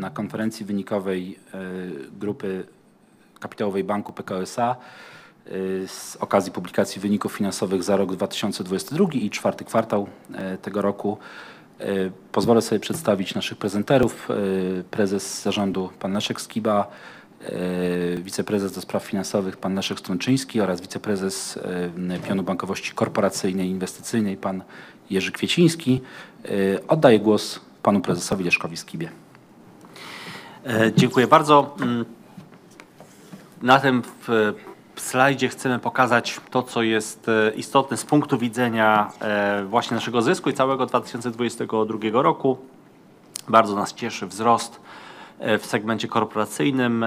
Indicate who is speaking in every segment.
Speaker 1: Na konferencji wynikowej grupy kapitałowej Bank Pekao S.A. z okazji publikacji wyników finansowych za rok 2022 i czwarty kwartał tego roku. Pozwolę sobie przedstawić naszych prezenterów. Prezes Zarządu pan Leszek Skiba, Wiceprezes do spraw finansowych pan Paweł Strączyński oraz Wiceprezes Pionu Bankowości Korporacyjnej i Inwestycyjnej pan Jerzy Kwieciński. Oddaję głos panu Prezesowi Leszkowi Skibie.
Speaker 2: Dziękuję bardzo. Na tym slajdzie chcemy pokazać to, co jest istotne z punktu widzenia właśnie naszego zysku i całego 2022 roku. Bardzo nas cieszy wzrost w segmencie korporacyjnym.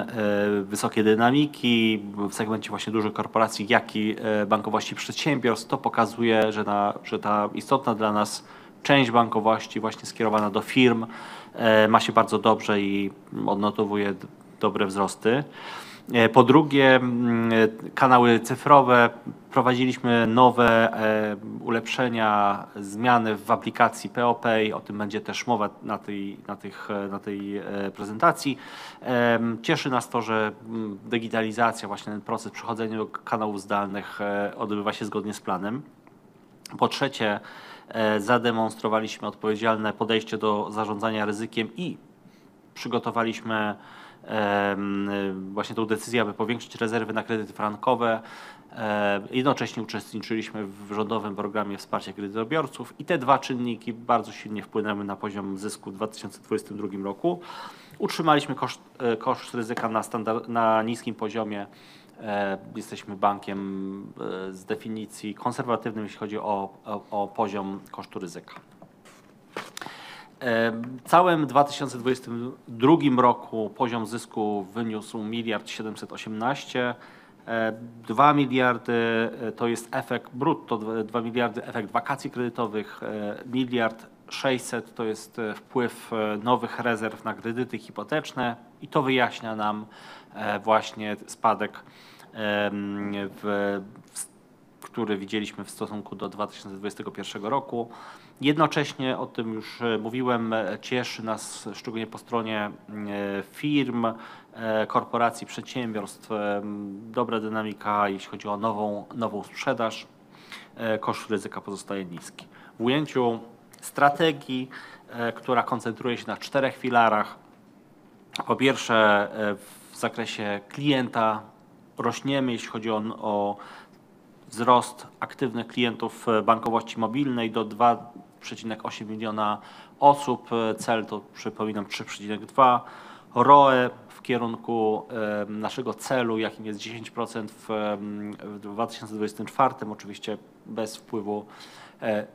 Speaker 2: Wysokie dynamiki w segmencie właśnie dużych korporacji, jak i bankowości przedsiębiorstw. To pokazuje, że ta istotna dla nas część bankowości właśnie skierowana do firm ma się bardzo dobrze i odnotowuje dobre wzrosty. Po drugie, kanały cyfrowe. Wprowadziliśmy nowe ulepszenia, zmiany w aplikacji PeoPay. O tym będzie też mowa na tej prezentacji. Cieszy nas to, że digitalizacja, właśnie ten proces przechodzenia do kanałów zdalnych odbywa się zgodnie z planem. Po trzecie, zademonstrowaliśmy odpowiedzialne podejście do zarządzania ryzykiem i przygotowaliśmy właśnie tą decyzję, aby powiększyć rezerwy na kredyty frankowe. Jednocześnie uczestniczyliśmy w rządowym programie wsparcia kredytobiorców. Te dwa czynniki bardzo silnie wpłynęły na poziom zysku w 2022 roku. Utrzymaliśmy koszt ryzyka na niskim poziomie. Jesteśmy bankiem z definicji konserwatywnym, jeśli chodzi o poziom kosztu ryzyka. W całym 2022 roku poziom zysku wyniósł 1.718 billion. 2 billion to jest efekt brutto. 2 billion – efekt wakacji kredytowych. 1.6 billion to jest wpływ nowych rezerw na kredyty hipoteczne. To wyjaśnia nam właśnie spadek, który widzieliśmy w stosunku do 2021 roku. Jednocześnie, o tym już mówiłem, cieszy nas, szczególnie po stronie firm, korporacji, przedsiębiorstw, dobra dynamika, jeśli chodzi o nową sprzedaż. Koszt ryzyka pozostaje niski. W ujęciu strategii, która koncentruje się na czterech filarach. Po pierwsze, w zakresie klienta rośniemy, jeśli chodzi o wzrost aktywnych klientów bankowości mobilnej do 2.8 miliona osób. Cel to, przypominam, 3.2. ROE w kierunku naszego celu, jakim jest 10%, w 2024. Oczywiście bez wpływu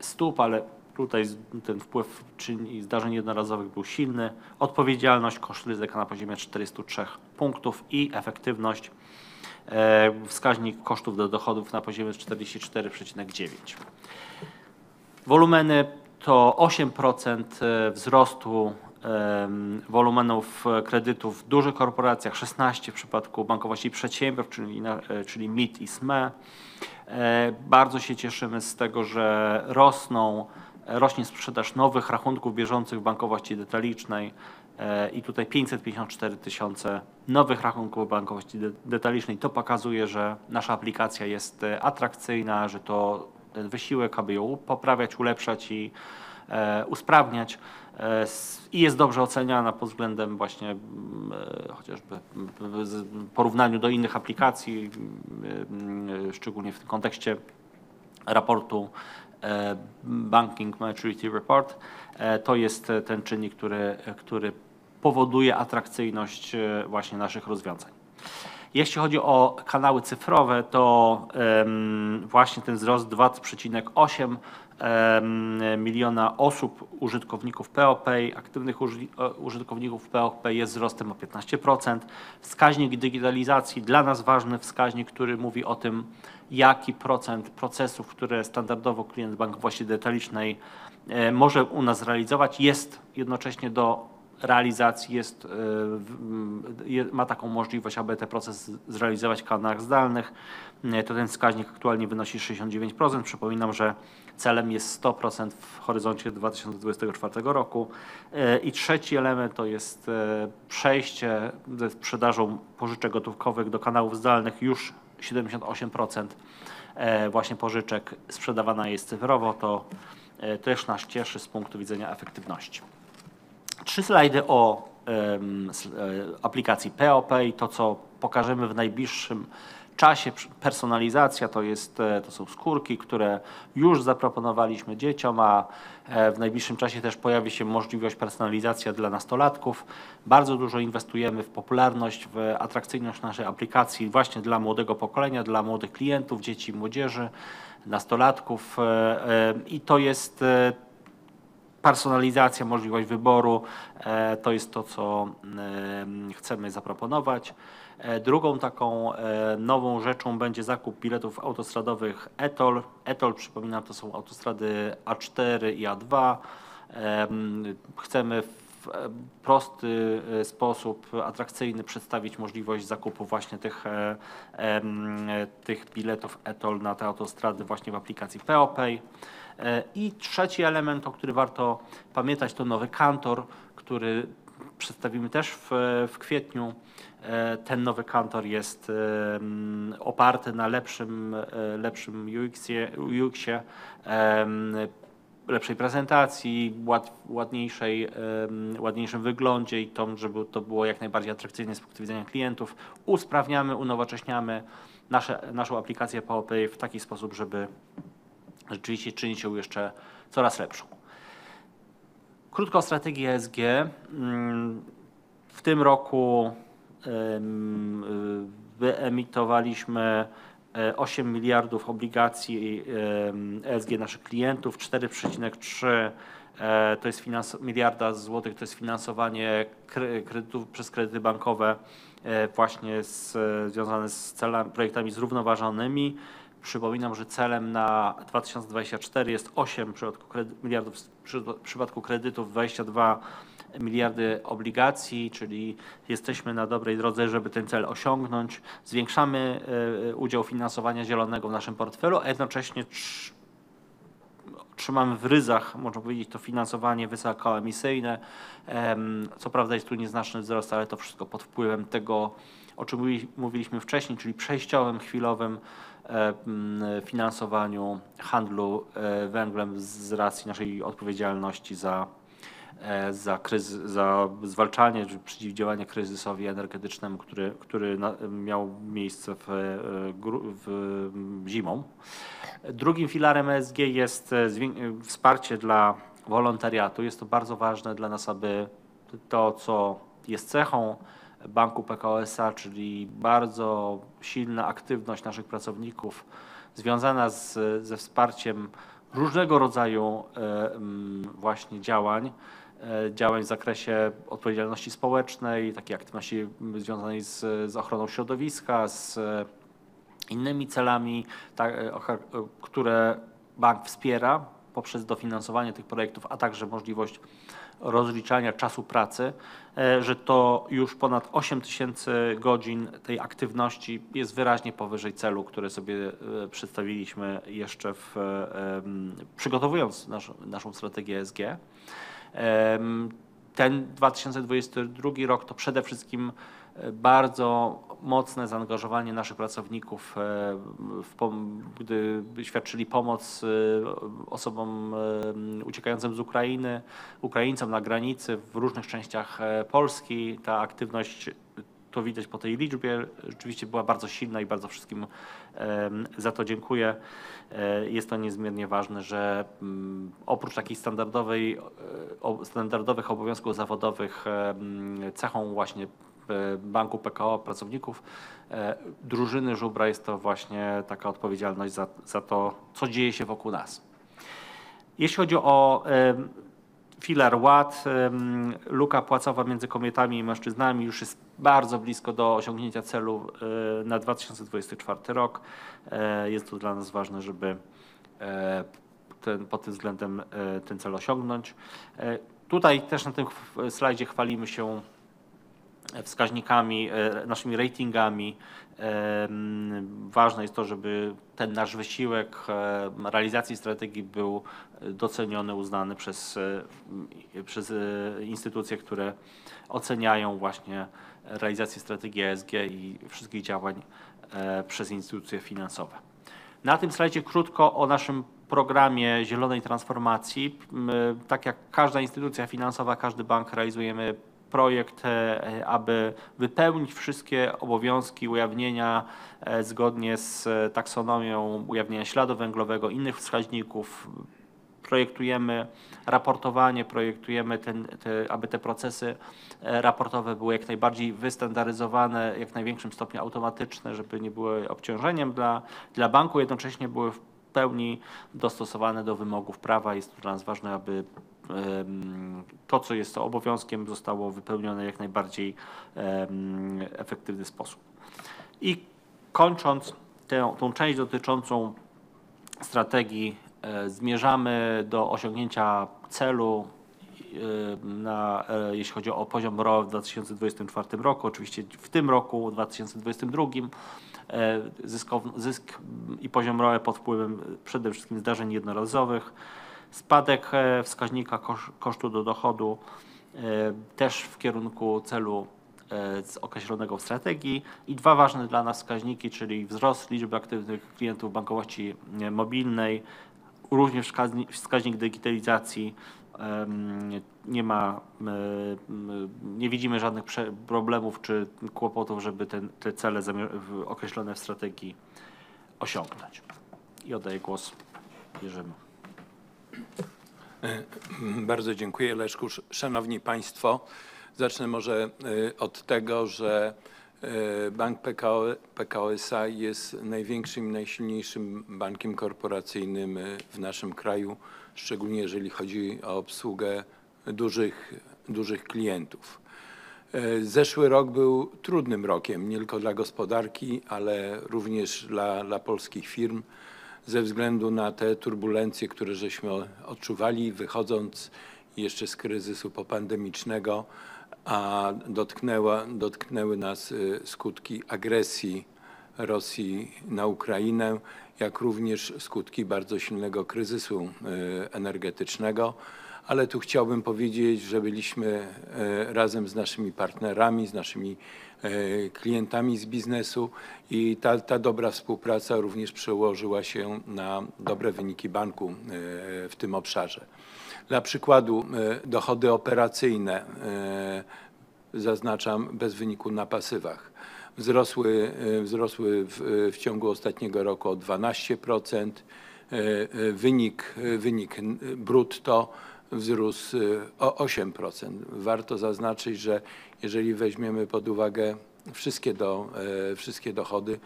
Speaker 2: stóp, tutaj ten wpływ zdarzeń jednorazowych był silny. Odpowiedzialność. Koszt ryzyka na poziomie 43 punktów i efektywność, wskaźnik kosztów do dochodów na poziomie 44.9%. Wolumeny to 8% wzrostu wolumenów kredytów w dużych korporacjach. 16% w przypadku bankowości przedsiębiorstw, czyli MID i SME. Bardzo się cieszymy z tego, że rośnie sprzedaż nowych rachunków bieżących w bankowości detalicznej. Tutaj 554,000 nowych rachunków bankowości detalicznej. To pokazuje, że nasza aplikacja jest atrakcyjna, że to, ten wysiłek, aby ją poprawiać, ulepszać i usprawniać. Jest dobrze oceniana pod względem właśnie, chociażby w porównaniu do innych aplikacji. Szczególnie w tym kontekście raportu, Banking Maturity Report. To jest ten czynnik, który powoduje atrakcyjność właśnie naszych rozwiązań. Jeśli chodzi o kanały cyfrowe, właśnie ten wzrost 2.8 miliona osób, użytkowników PeoPay, aktywnych użytkowników PeoPay jest wzrostem o 15%. Wskaźnik digitalizacji. Dla nas ważny wskaźnik, który mówi o tym, jaki procent procesów, które standardowo klient bankowości detalicznej może u nas zrealizować, jest jednocześnie do realizacji. Jest, ma taką możliwość, aby te procesy zrealizować w kanałach zdalnych. To ten wskaźnik aktualnie wynosi 69%. Przypominam, że celem jest 100% w horyzoncie 2024 roku. Trzeci element to jest przejście ze sprzedażą pożyczek gotówkowych do kanałów zdalnych. Już 78% właśnie pożyczek sprzedawana jest cyfrowo. To też nas cieszy z punktu widzenia efektywności. Trzy slajdy o aplikacji PeoPay. To, co pokażemy w najbliższym czasie. Personalizacja to jest, to są skórki, które już zaproponowaliśmy dzieciom, w najbliższym czasie też pojawi się możliwość personalizacji dla nastolatków. Bardzo dużo inwestujemy w popularność, w atrakcyjność naszej aplikacji właśnie dla młodego pokolenia. Dla młodych klientów, dzieci i młodzieży, nastolatków. To jest personalizacja, możliwość wyboru. To jest to, co chcemy zaproponować. Drugą taką nową rzeczą będzie zakup biletów autostradowych e-TOLL. e-TOLL, przypominam, to są autostrady A4 i A2. chcemy w prosty sposób atrakcyjny przedstawić możliwość zakupu właśnie tych tych biletów e-TOLL na te autostrady właśnie w aplikacji PeoPay. i trzeci element, o którym warto pamiętać, to nowy kantor, Przedstawimy też w kwietniu. ten nowy kantor jest oparty na lepszym UX-ie, lepszej prezentacji, ładniejszej ładniejszym wyglądzie i tą, żeby to było jak najbardziej atrakcyjne z punktu widzenia klientów. Usprawniamy, unowocześniamy nasze, naszą aplikację PeoPay w taki sposób, żeby rzeczywiście czynić ją jeszcze coraz lepszą. Krótko o strategii ESG. w tym roku wyemitowaliśmy 8 miliardów obligacji ESG naszych klientów. 4.3 miliarda. To jest finansowanie kredytów przez kredyty bankowe właśnie z związane z celami, projektami zrównoważonymi. Przypominam, że celem na 2024 jest PLN 8 billion w przypadku kredytów, 22 billion obligacji. Czyli jesteśmy na dobrej drodze, żeby ten cel osiągnąć. Zwiększamy udział finansowania zielonego w naszym portfelu, a jednocześnie trzymamy w ryzach, można powiedzieć, to finansowanie wysokoemisyjne. Co prawda jest tu nieznaczny wzrost, ale to wszystko pod wpływem tego, o czym mówiliśmy wcześniej, czyli przejściowym, chwilowym finansowaniu handlu węglem z racji naszej odpowiedzialności za zwalczanie, przeciwdziałanie kryzysowi energetycznemu, który na, miał miejsce w, zimą. Drugim filarem ESG jest wsparcie dla wolontariatu. Jest to bardzo ważne dla nas, aby to, co jest cechą Banku Pekao S.A., czyli bardzo silna aktywność naszych pracowników związana z, ze wsparciem różnego rodzaju właśnie działań. Działań w zakresie odpowiedzialności społecznej, takiej aktywności związanej z ochroną środowiska, z innymi celami, które bank wspiera poprzez dofinansowanie tych projektów, a także możliwość rozliczania czasu pracy. Że to już ponad 8,000 godzin tej aktywności jest wyraźnie powyżej celu, który sobie przedstawiliśmy jeszcze przygotowując naszą strategię ESG. Ten 2022 rok to przede wszystkim bardzo mocne zaangażowanie naszych pracowników, gdy świadczyli pomoc osobom uciekającym z Ukrainy. Ukraińcom na granicy w różnych częściach Polski. Ta aktywność, to widać po tej liczbie, rzeczywiście była bardzo silna i bardzo wszystkim za to dziękuję. Jest to niezmiernie ważne, że oprócz takich standardowej, standardowych obowiązków zawodowych, cechą właśnie Banku Pekao, pracowników, Drużyny Żubra, jest to właśnie taka odpowiedzialność za to, co dzieje się wokół nas. Jeśli chodzi o filar Ład. Luka płacowa między kobietami i mężczyznami już jest bardzo blisko do osiągnięcia celu na 2024 rok. Jest to dla nas ważne, żeby ten, pod tym względem, ten cel osiągnąć. Tutaj też na tym slajdzie chwalimy się wskaźnikami, naszymi ratingami. Ważne jest to, żeby ten nasz wysiłek realizacji strategii był doceniony, uznany przez przez instytucje, które oceniają właśnie realizację strategii ESG i wszystkich działań przez instytucje finansowe. Na tym slajdzie krótko o naszym programie zielonej transformacji. My, tak jak każda instytucja finansowa, każdy bank, realizujemy projekt, aby wypełnić wszystkie obowiązki ujawnienia, zgodnie z taksonomią ujawniania śladu węglowego i innych wskaźników. Projektujemy raportowanie. Projektujemy, aby te procesy raportowe były jak najbardziej wystandaryzowane, w jak największym stopniu automatyczne, żeby nie były obciążeniem dla banku. Jednocześnie były w pełni dostosowane do wymogów prawa. Jest to dla nas ważne, aby to, co jest obowiązkiem, zostało wypełnione w jak najbardziej efektywny sposób. Kończąc tą część dotyczącą strategii, zmierzamy do osiągnięcia celu na jeśli chodzi o poziom ROE w 2024 roku. Oczywiście w tym roku, 2022, zysk i poziom ROE pod wpływem przede wszystkim zdarzeń jednorazowych. Spadek wskaźnika kosztu do dochodu też w kierunku celu określonego w strategii. Dwa ważne dla nas wskaźniki, czyli wzrost liczby aktywnych klientów bankowości mobilnej. Również wskaźnik digitalizacji. Nie ma, nie widzimy żadnych problemów czy kłopotów, żeby ten, te cele określone w strategii osiągnąć. Oddaję głos Jerzemu.
Speaker 3: Bardzo dziękuję, Leszku. Szanowni Państwo. Zacznę może od tego, że Bank Pekao S.A. jest największym i najsilniejszym bankiem korporacyjnym w naszym kraju. Szczególnie jeżeli chodzi o obsługę dużych klientów. Zeszły rok był trudnym rokiem nie tylko dla gospodarki, ale również dla polskich firm. Ze względu na te turbulencje, które żeśmy odczuwali, wychodząc jeszcze z kryzysu popandemicznego, dotknęły nas skutki agresji Rosji na Ukrainę, jak również skutki bardzo silnego kryzysu energetycznego. Tu chciałbym powiedzieć, że byliśmy razem z naszymi partnerami, z naszymi klientami z biznesu i ta dobra współpraca również przełożyła się na dobre wyniki banku w tym obszarze. Dla przykładu, dochody operacyjne, zaznaczam bez wyniku na pasywach. Wzrosły w ciągu ostatniego roku o 12%. Wynik brutto wzrósł o 8%. Warto zaznaczyć, że jeżeli weźmiemy pod uwagę wszystkie do wszystkie dochody,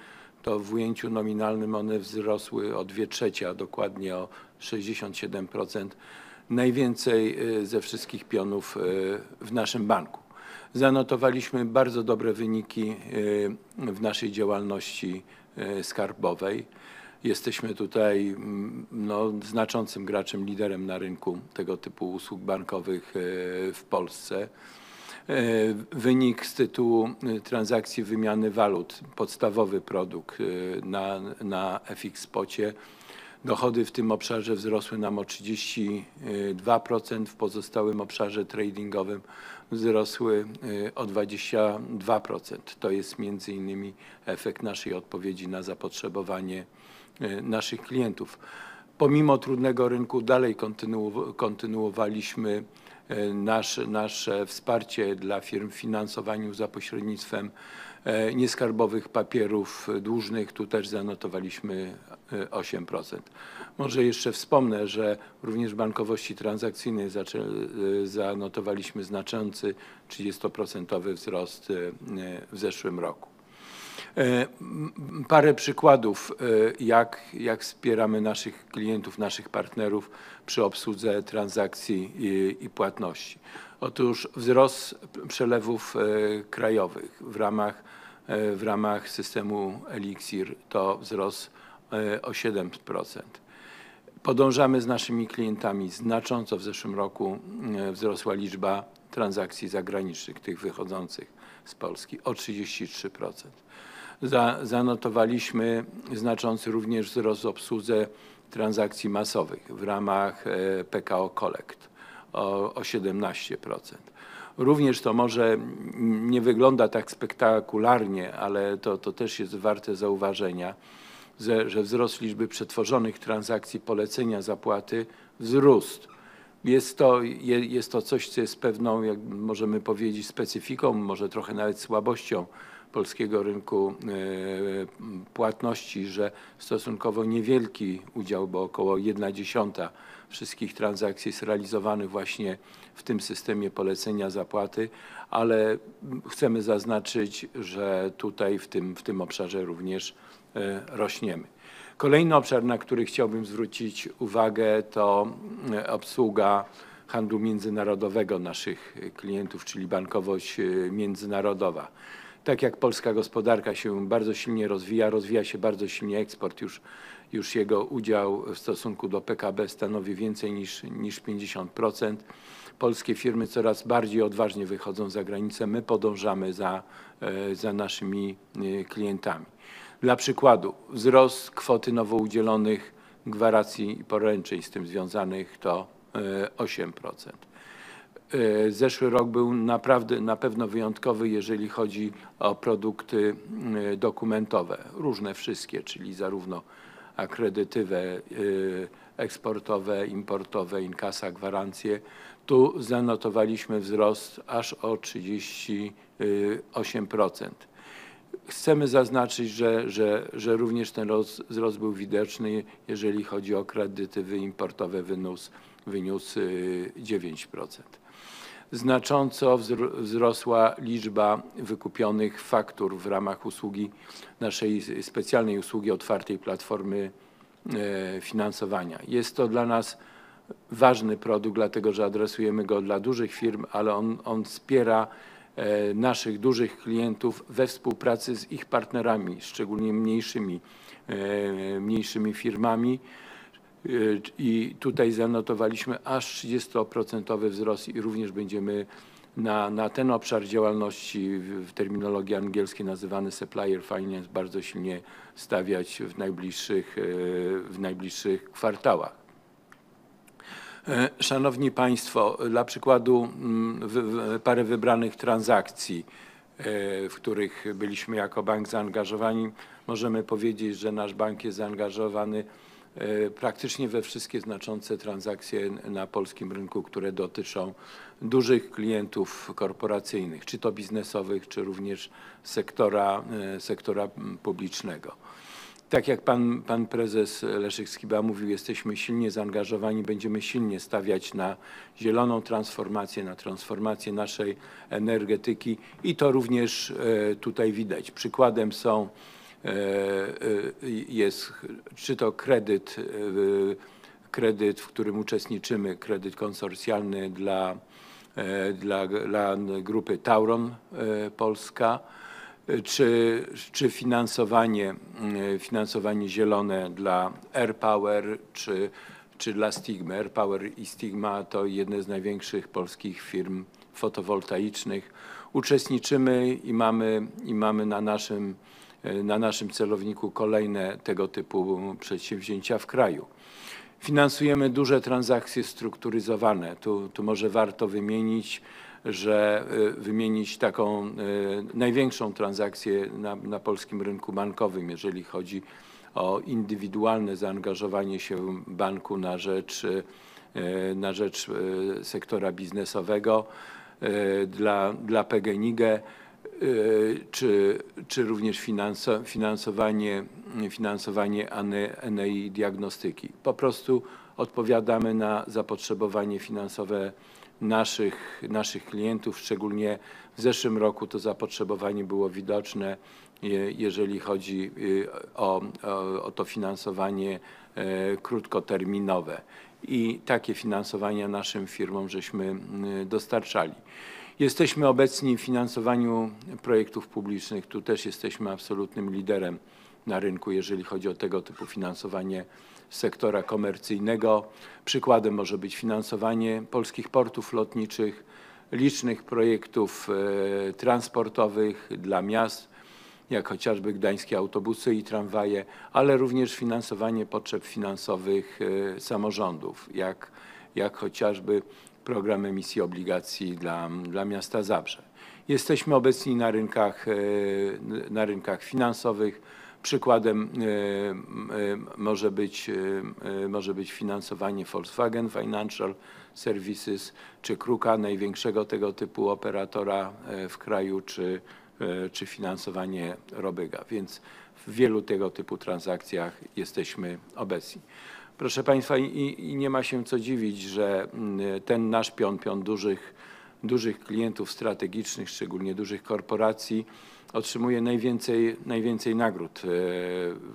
Speaker 3: to w ujęciu nominalnym one wzrosły o dwie trzecie, a dokładnie o 67%. Najwięcej ze wszystkich pionów w naszym banku. Zanotowaliśmy bardzo dobre wyniki w naszej działalności skarbowej. Jesteśmy tutaj no znaczącym graczem, liderem na rynku tego typu usług bankowych w Polsce. Wynik z tytułu transakcji wymiany walut. Podstawowy produkt na FX Spocie. Dochody w tym obszarze wzrosły nam o 32%. W pozostałym obszarze tradingowym wzrosły o 22%. To jest między innymi efekt naszej odpowiedzi na zapotrzebowanie naszych klientów. Pomimo trudnego rynku dalej kontynuowaliśmy nasze wsparcie dla firm w finansowaniu za pośrednictwem nieskarbowych papierów dłużnych. Tu też zanotowaliśmy 8%. Może jeszcze wspomnę, że również w bankowości transakcyjnej zanotowaliśmy znaczący 30% wzrost w zeszłym roku. Parę przykładów, jak wspieramy naszych klientów, naszych partnerów przy obsłudze transakcji i płatności. Otóż wzrost przelewów krajowych w ramach systemu Elixir to wzrost o 7%. Podążamy z naszymi klientami. Znacząco w zeszłym roku wzrosła liczba transakcji zagranicznych, tych wychodzących z Polski o 33%. Zanotowaliśmy znaczący również wzrost w obsłudze transakcji masowych w ramach Pekao Collect o 17%. Również to może nie wygląda tak spektakularnie, ale to też jest warte zauważenia, że wzrost liczby przetworzonych transakcji polecenia zapłaty wzrósł. Jest to coś, co jest pewną, jak możemy powiedzieć, specyfiką, może trochę nawet słabością polskiego rynku płatności, że stosunkowo niewielki udział, bo około 1/10 wszystkich transakcji jest realizowany właśnie w tym systemie polecenia zapłaty. Chcemy zaznaczyć, że tutaj, w tym obszarze również rośniemy. Kolejny obszar, na który chciałbym zwrócić uwagę, to obsługa handlu międzynarodowego naszych klientów, czyli bankowość międzynarodowa. Tak jak polska gospodarka się bardzo silnie rozwija się bardzo silnie eksport. Już jego udział w stosunku do PKB stanowi więcej niż 50%. Polskie firmy coraz bardziej odważnie wychodzą za granicę. My podążamy za naszymi klientami. Dla przykładu wzrost kwoty nowo udzielonych gwarancji i poręczeń z tym związanych to 8%. Zeszły rok był naprawdę na pewno wyjątkowy, jeżeli chodzi o produkty dokumentowe. Różne wszystkie, czyli zarówno akredytywy, eksportowe, importowe, inkasa, gwarancje. Tu zanotowaliśmy wzrost aż o 38%. Chcemy zaznaczyć, że również ten wzrost był widoczny, jeżeli chodzi o kredyty importowe. Wyniósł 9%. Znacząco wzrosła liczba wykupionych faktur w ramach usługi, naszej specjalnej usługi otwartej platformy finansowania. Jest to dla nas ważny produkt, dlatego, że adresujemy go dla dużych firm. On wspiera naszych dużych klientów we współpracy z ich partnerami, szczególnie mniejszymi firmami. Tutaj zanotowaliśmy aż trzydziestoprocentowy wzrost i również będziemy na ten obszar działalności, w terminologii angielskiej nazywany supplier finance, bardzo silnie stawiać w najbliższych kwartałach. Szanowni państwo, dla przykładu, parę wybranych transakcji, w których byliśmy jako bank zaangażowani. Możemy powiedzieć, że nasz bank jest zaangażowany praktycznie we wszystkie znaczące transakcje na polskim rynku, które dotyczą dużych klientów korporacyjnych, czy to biznesowych, czy również sektora publicznego. Tak jak Prezes Leszek Skiba mówił, jesteśmy silnie zaangażowani. Będziemy silnie stawiać na zieloną transformację, na transformację naszej energetyki. To również tutaj widać. Przykładem jest czy to kredyt, w którym uczestniczymy, kredyt konsorcjalny dla grupy TAURON Polska. Czy finansowanie zielone dla Air Power czy dla Stigma. Air Power i Stigma to jedne z największych polskich firm fotowoltaicznych. Uczestniczymy i mamy na naszym celowniku kolejne tego typu przedsięwzięcia w kraju. Finansujemy duże transakcje strukturyzowane. Tu może warto wymienić, że, wymienić taką, największą transakcję na polskim rynku bankowym, jeżeli chodzi o indywidualne zaangażowanie się banku na rzecz sektora biznesowego. Dla PGNiG, czy również finansowanie Enei Diagnostyki. Po prostu odpowiadamy na zapotrzebowanie finansowe naszych klientów. Szczególnie w zeszłym roku to zapotrzebowanie było widoczne, jeżeli chodzi o to finansowanie krótkoterminowe i takie finansowania naszym firmom żeśmy dostarczali. Jesteśmy obecni w finansowaniu projektów publicznych. Tu też jesteśmy absolutnym liderem na rynku, jeżeli chodzi o tego typu finansowanie sektora komercyjnego. Przykładem może być finansowanie polskich portów lotniczych, licznych projektów transportowych dla miast, jak chociażby Gdańskie Autobusy i Tramwaje, ale również finansowanie potrzeb finansowych samorządów, jak chociażby program emisji obligacji dla miasta Zabrze. Jesteśmy obecni na rynkach finansowych. Przykładem może być finansowanie Volkswagen Financial Services czy KRUKa, największego tego typu operatora w kraju, czy finansowanie ROBYGa. W wielu tego typu transakcjach jesteśmy obecni. Proszę państwa i nie ma się co dziwić, że ten nasz pion dużych klientów strategicznych, szczególnie dużych korporacji, otrzymuje najwięcej nagród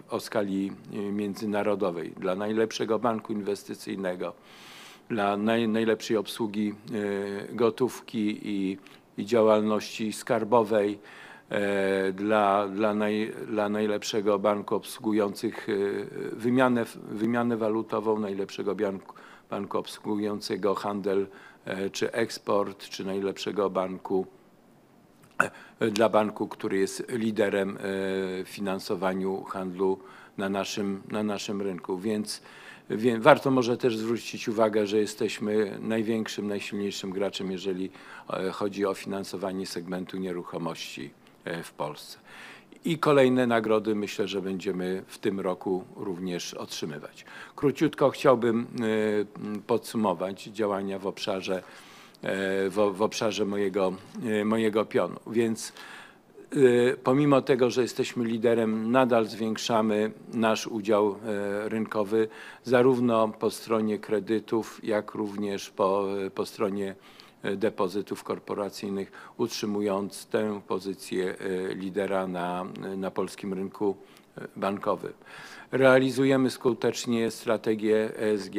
Speaker 3: o skali międzynarodowej: dla najlepszego banku inwestycyjnego, dla najlepszej obsługi gotówki i działalności skarbowej, dla najlepszego banku obsługującego wymianę walutową, najlepszego banku obsługującego handel czy eksport, czy najlepszego banku, który jest liderem w finansowaniu handlu na naszym rynku. Warto może też zwrócić uwagę, że jesteśmy największym, najsilniejszym graczem, jeżeli chodzi o finansowanie segmentu nieruchomości w Polsce. I kolejne nagrody myślę, że będziemy w tym roku również otrzymywać. Króciutko chciałbym podsumować działania w obszarze mojego pionu. Pomimo tego, że jesteśmy liderem, nadal zwiększamy nasz udział rynkowy zarówno po stronie kredytów, jak również po stronie depozytów korporacyjnych, utrzymując tę pozycję lidera na polskim rynku bankowym. Realizujemy skutecznie strategię ESG.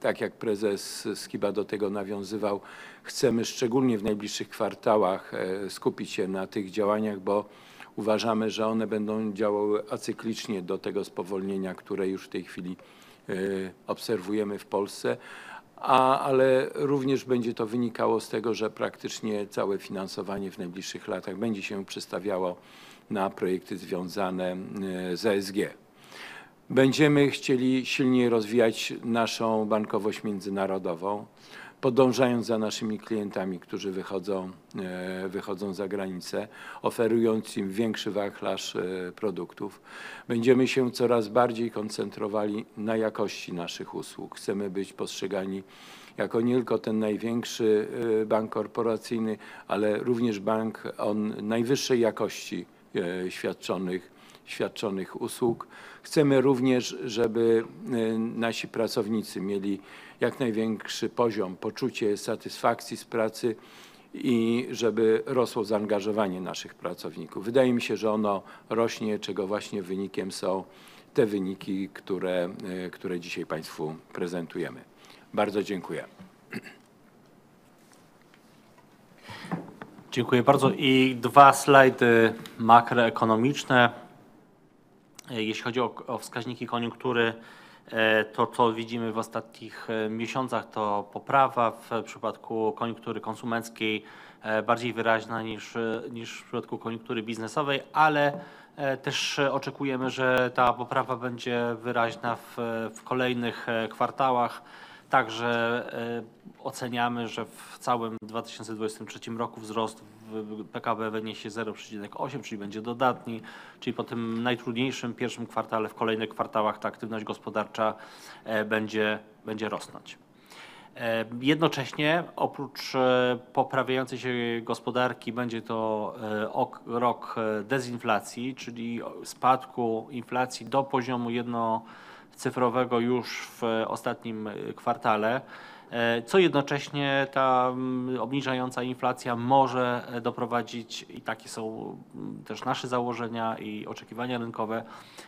Speaker 3: Tak jak Prezes Skiba do tego nawiązywał, chcemy szczególnie w najbliższych kwartałach skupić się na tych działaniach, bo uważamy, że one będą działały acyklicznie do tego spowolnienia, które już w tej chwili obserwujemy w Polsce. Również będzie to wynikało z tego, że praktycznie całe finansowanie w najbliższych latach będzie się przestawiało na projekty związane z ESG. Będziemy chcieli silniej rozwijać naszą bankowość międzynarodową, podążając za naszymi klientami, którzy wychodzą za granicę, oferując im większy wachlarz produktów. Będziemy się coraz bardziej koncentrowali na jakości naszych usług. Chcemy być postrzegani jako nie tylko ten największy bank korporacyjny, ale również bank o najwyższej jakości świadczonych usług. Chcemy również, żeby nasi pracownicy mieli jak największy poziom, poczucie satysfakcji z pracy i żeby rosło zaangażowanie naszych pracowników. Wydaje mi się, że ono rośnie, czego właśnie wynikiem są te wyniki, które dzisiaj państwu prezentujemy. Bardzo dziękuję. Dziękuję bardzo. 2 slajdy makroekonomiczne. Jeśli chodzi o wskaźniki koniunktury, to, co widzimy w ostatnich miesiącach, to poprawa. W przypadku koniunktury konsumenckiej, bardziej wyraźna niż w przypadku koniunktury biznesowej, ale też oczekujemy, że ta poprawa będzie wyraźna w kolejnych kwartałach. Oceniamy, że w całym 2023 roku wzrost w PKB wyniesie 0.8%, czyli będzie dodatni. Po tym najtrudniejszym 1. kwartale, w kolejnych kwartałach ta aktywność gospodarcza będzie rosnąć. Jednocześnie oprócz poprawiającej się gospodarki będzie to ok, rok dezinflacji, czyli spadku inflacji do poziomu jednocyfrowego już w ostatnim kwartale. Co jednocześnie ta obniżająca inflacja może doprowadzić. Takie są też nasze założenia i oczekiwania rynkowe.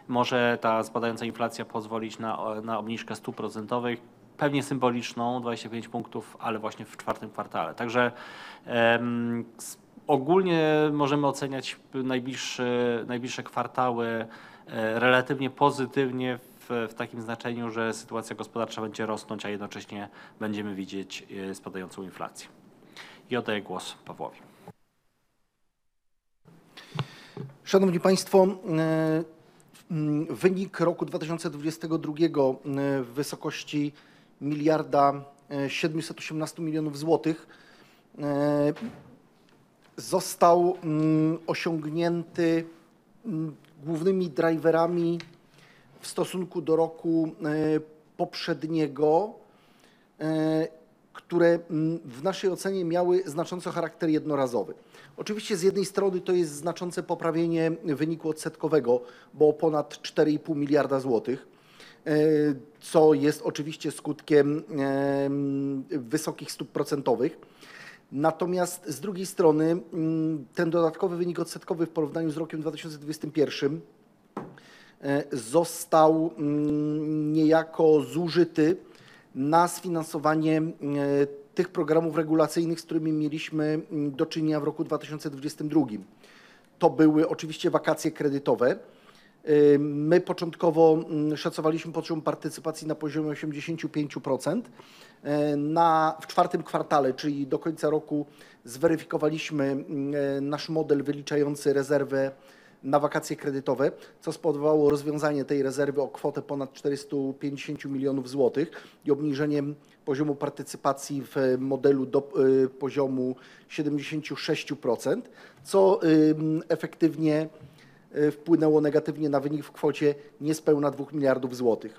Speaker 3: Może ta spadająca inflacja pozwolić na obniżkę stóp procentowych, pewnie symboliczną, 25 punktów, ale właśnie w czwartym kwartale. Także ogólnie możemy oceniać najbliższe kwartały relatywnie pozytywnie w takim znaczeniu, że sytuacja gospodarcza będzie rosnąć, a jednocześnie będziemy widzieć spadającą inflację. Oddaję głos Pawłowi.
Speaker 4: Szanowni Państwo, wynik roku 2022 w wysokości PLN 1,718 million został osiągnięty głównymi driverami w stosunku do roku poprzedniego. które w naszej ocenie miały znacząco charakter jednorazowy. Oczywiście z jednej strony to jest znaczące poprawienie wyniku odsetkowego, bo o ponad 4.5 billion zlotys. co jest oczywiście skutkiem wysokich stóp procentowych. Z drugiej strony, ten dodatkowy wynik odsetkowy w porównaniu z 2021 został niejako zużyty na sfinansowanie tych programów regulacyjnych, z którymi mieliśmy do czynienia w 2022. To były oczywiście wakacje kredytowe. my początkowo szacowaliśmy poziom partycypacji na poziomie 85%. Na, w czwartym kwartale, czyli do końca roku, zweryfikowaliśmy nasz model wyliczający rezerwę na wakacje kredytowe, co spowodowało rozwiązanie tej rezerwy o kwotę ponad 450 million zlotys i obniżeniem poziomu partycypacji w modelu do poziomu 76%, co efektywnie wpłynęło negatywnie na wynik w kwocie niespełna 2 billion zlotys.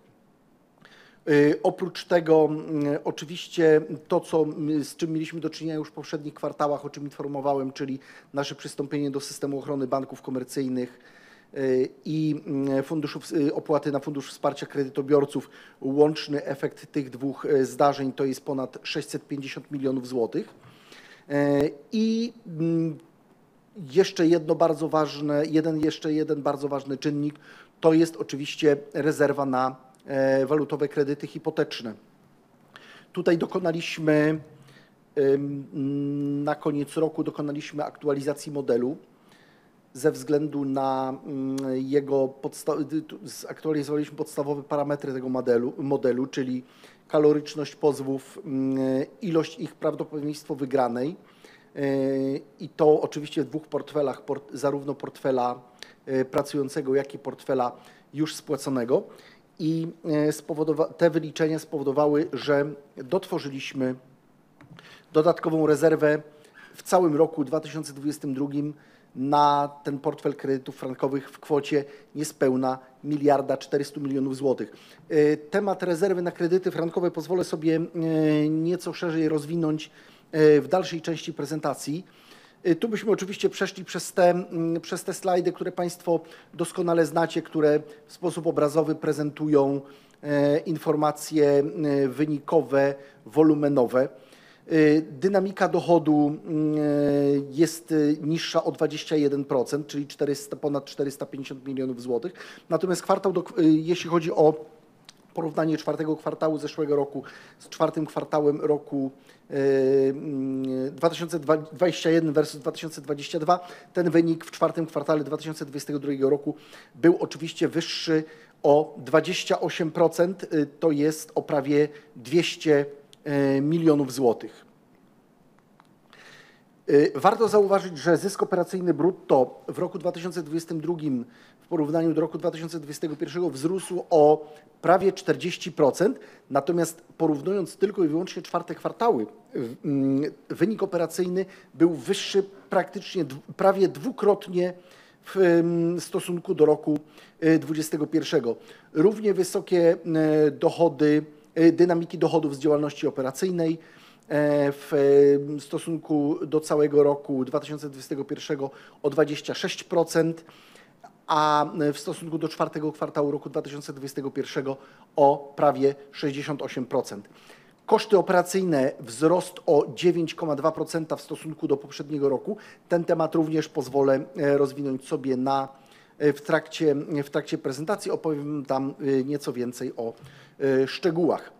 Speaker 4: Oprócz tego, oczywiście to, co, z czym mieliśmy do czynienia już w poprzednich kwartałach, o czym informowałem, czyli nasze przystąpienie do Systemu Ochrony Banków Komercyjnych i funduszów z opłaty na Fundusz Wsparcia Kredytobiorców. Łączny efekt tych dwóch zdarzeń to jest ponad 650 million zlotys. Jeszcze jedno bardzo ważne. Jeszcze jeden bardzo ważny czynnik. To jest oczywiście rezerwa na walutowe kredyty hipoteczne. Tutaj dokonaliśmy na koniec roku aktualizacji modelu. Ze względu na jego zaktualizowaliśmy podstawowe parametry tego modelu, czyli kaloryczność pozwów, ilość ich, prawdopodobieństwo wygranej. To oczywiście w dwóch portfelach. Zarówno portfela pracującego, jak i portfela już spłaconego. Te wyliczenia spowodowały, że dotworzyliśmy dodatkową rezerwę w całym roku 2022 na ten portfel kredytów frankowych w kwocie niespełna 1.4 billion zlotys. Temat rezerwy na kredyty frankowe pozwolę sobie nieco szerzej rozwinąć w dalszej części prezentacji. Tu byśmy oczywiście przeszli przez te slajdy, które państwo doskonale znacie, które w sposób obrazowy prezentują informacje wynikowe, wolumenowe. Dynamika dochodu jest niższa o 21%, czyli ponad 450 million zlotys. Jeśli chodzi o porównanie czwartego kwartału zeszłego roku z czwartym kwartałem roku 2021 versus 2022. Ten wynik w czwartym kwartale 2022 roku był oczywiście wyższy o 28%, to jest o prawie PLN 200 million. Warto zauważyć, że zysk operacyjny brutto w roku 2022 w porównaniu do roku 2021 wzrósł o prawie 40%. Porównując tylko i wyłącznie czwarte kwartały, wynik operacyjny był wyższy praktycznie prawie dwukrotnie w stosunku do roku 2021. Równie wysokie dochody, dynamiki dochodów z działalności operacyjnej w stosunku do całego roku 2021 o 26%, a w stosunku do czwartego kwartału roku 2021 o prawie 68%. Koszty operacyjne. Wzrost o 9.2% w stosunku do poprzedniego roku. Ten temat również pozwolę rozwinąć sobie w trakcie prezentacji. Opowiem tam nieco więcej o szczegółach.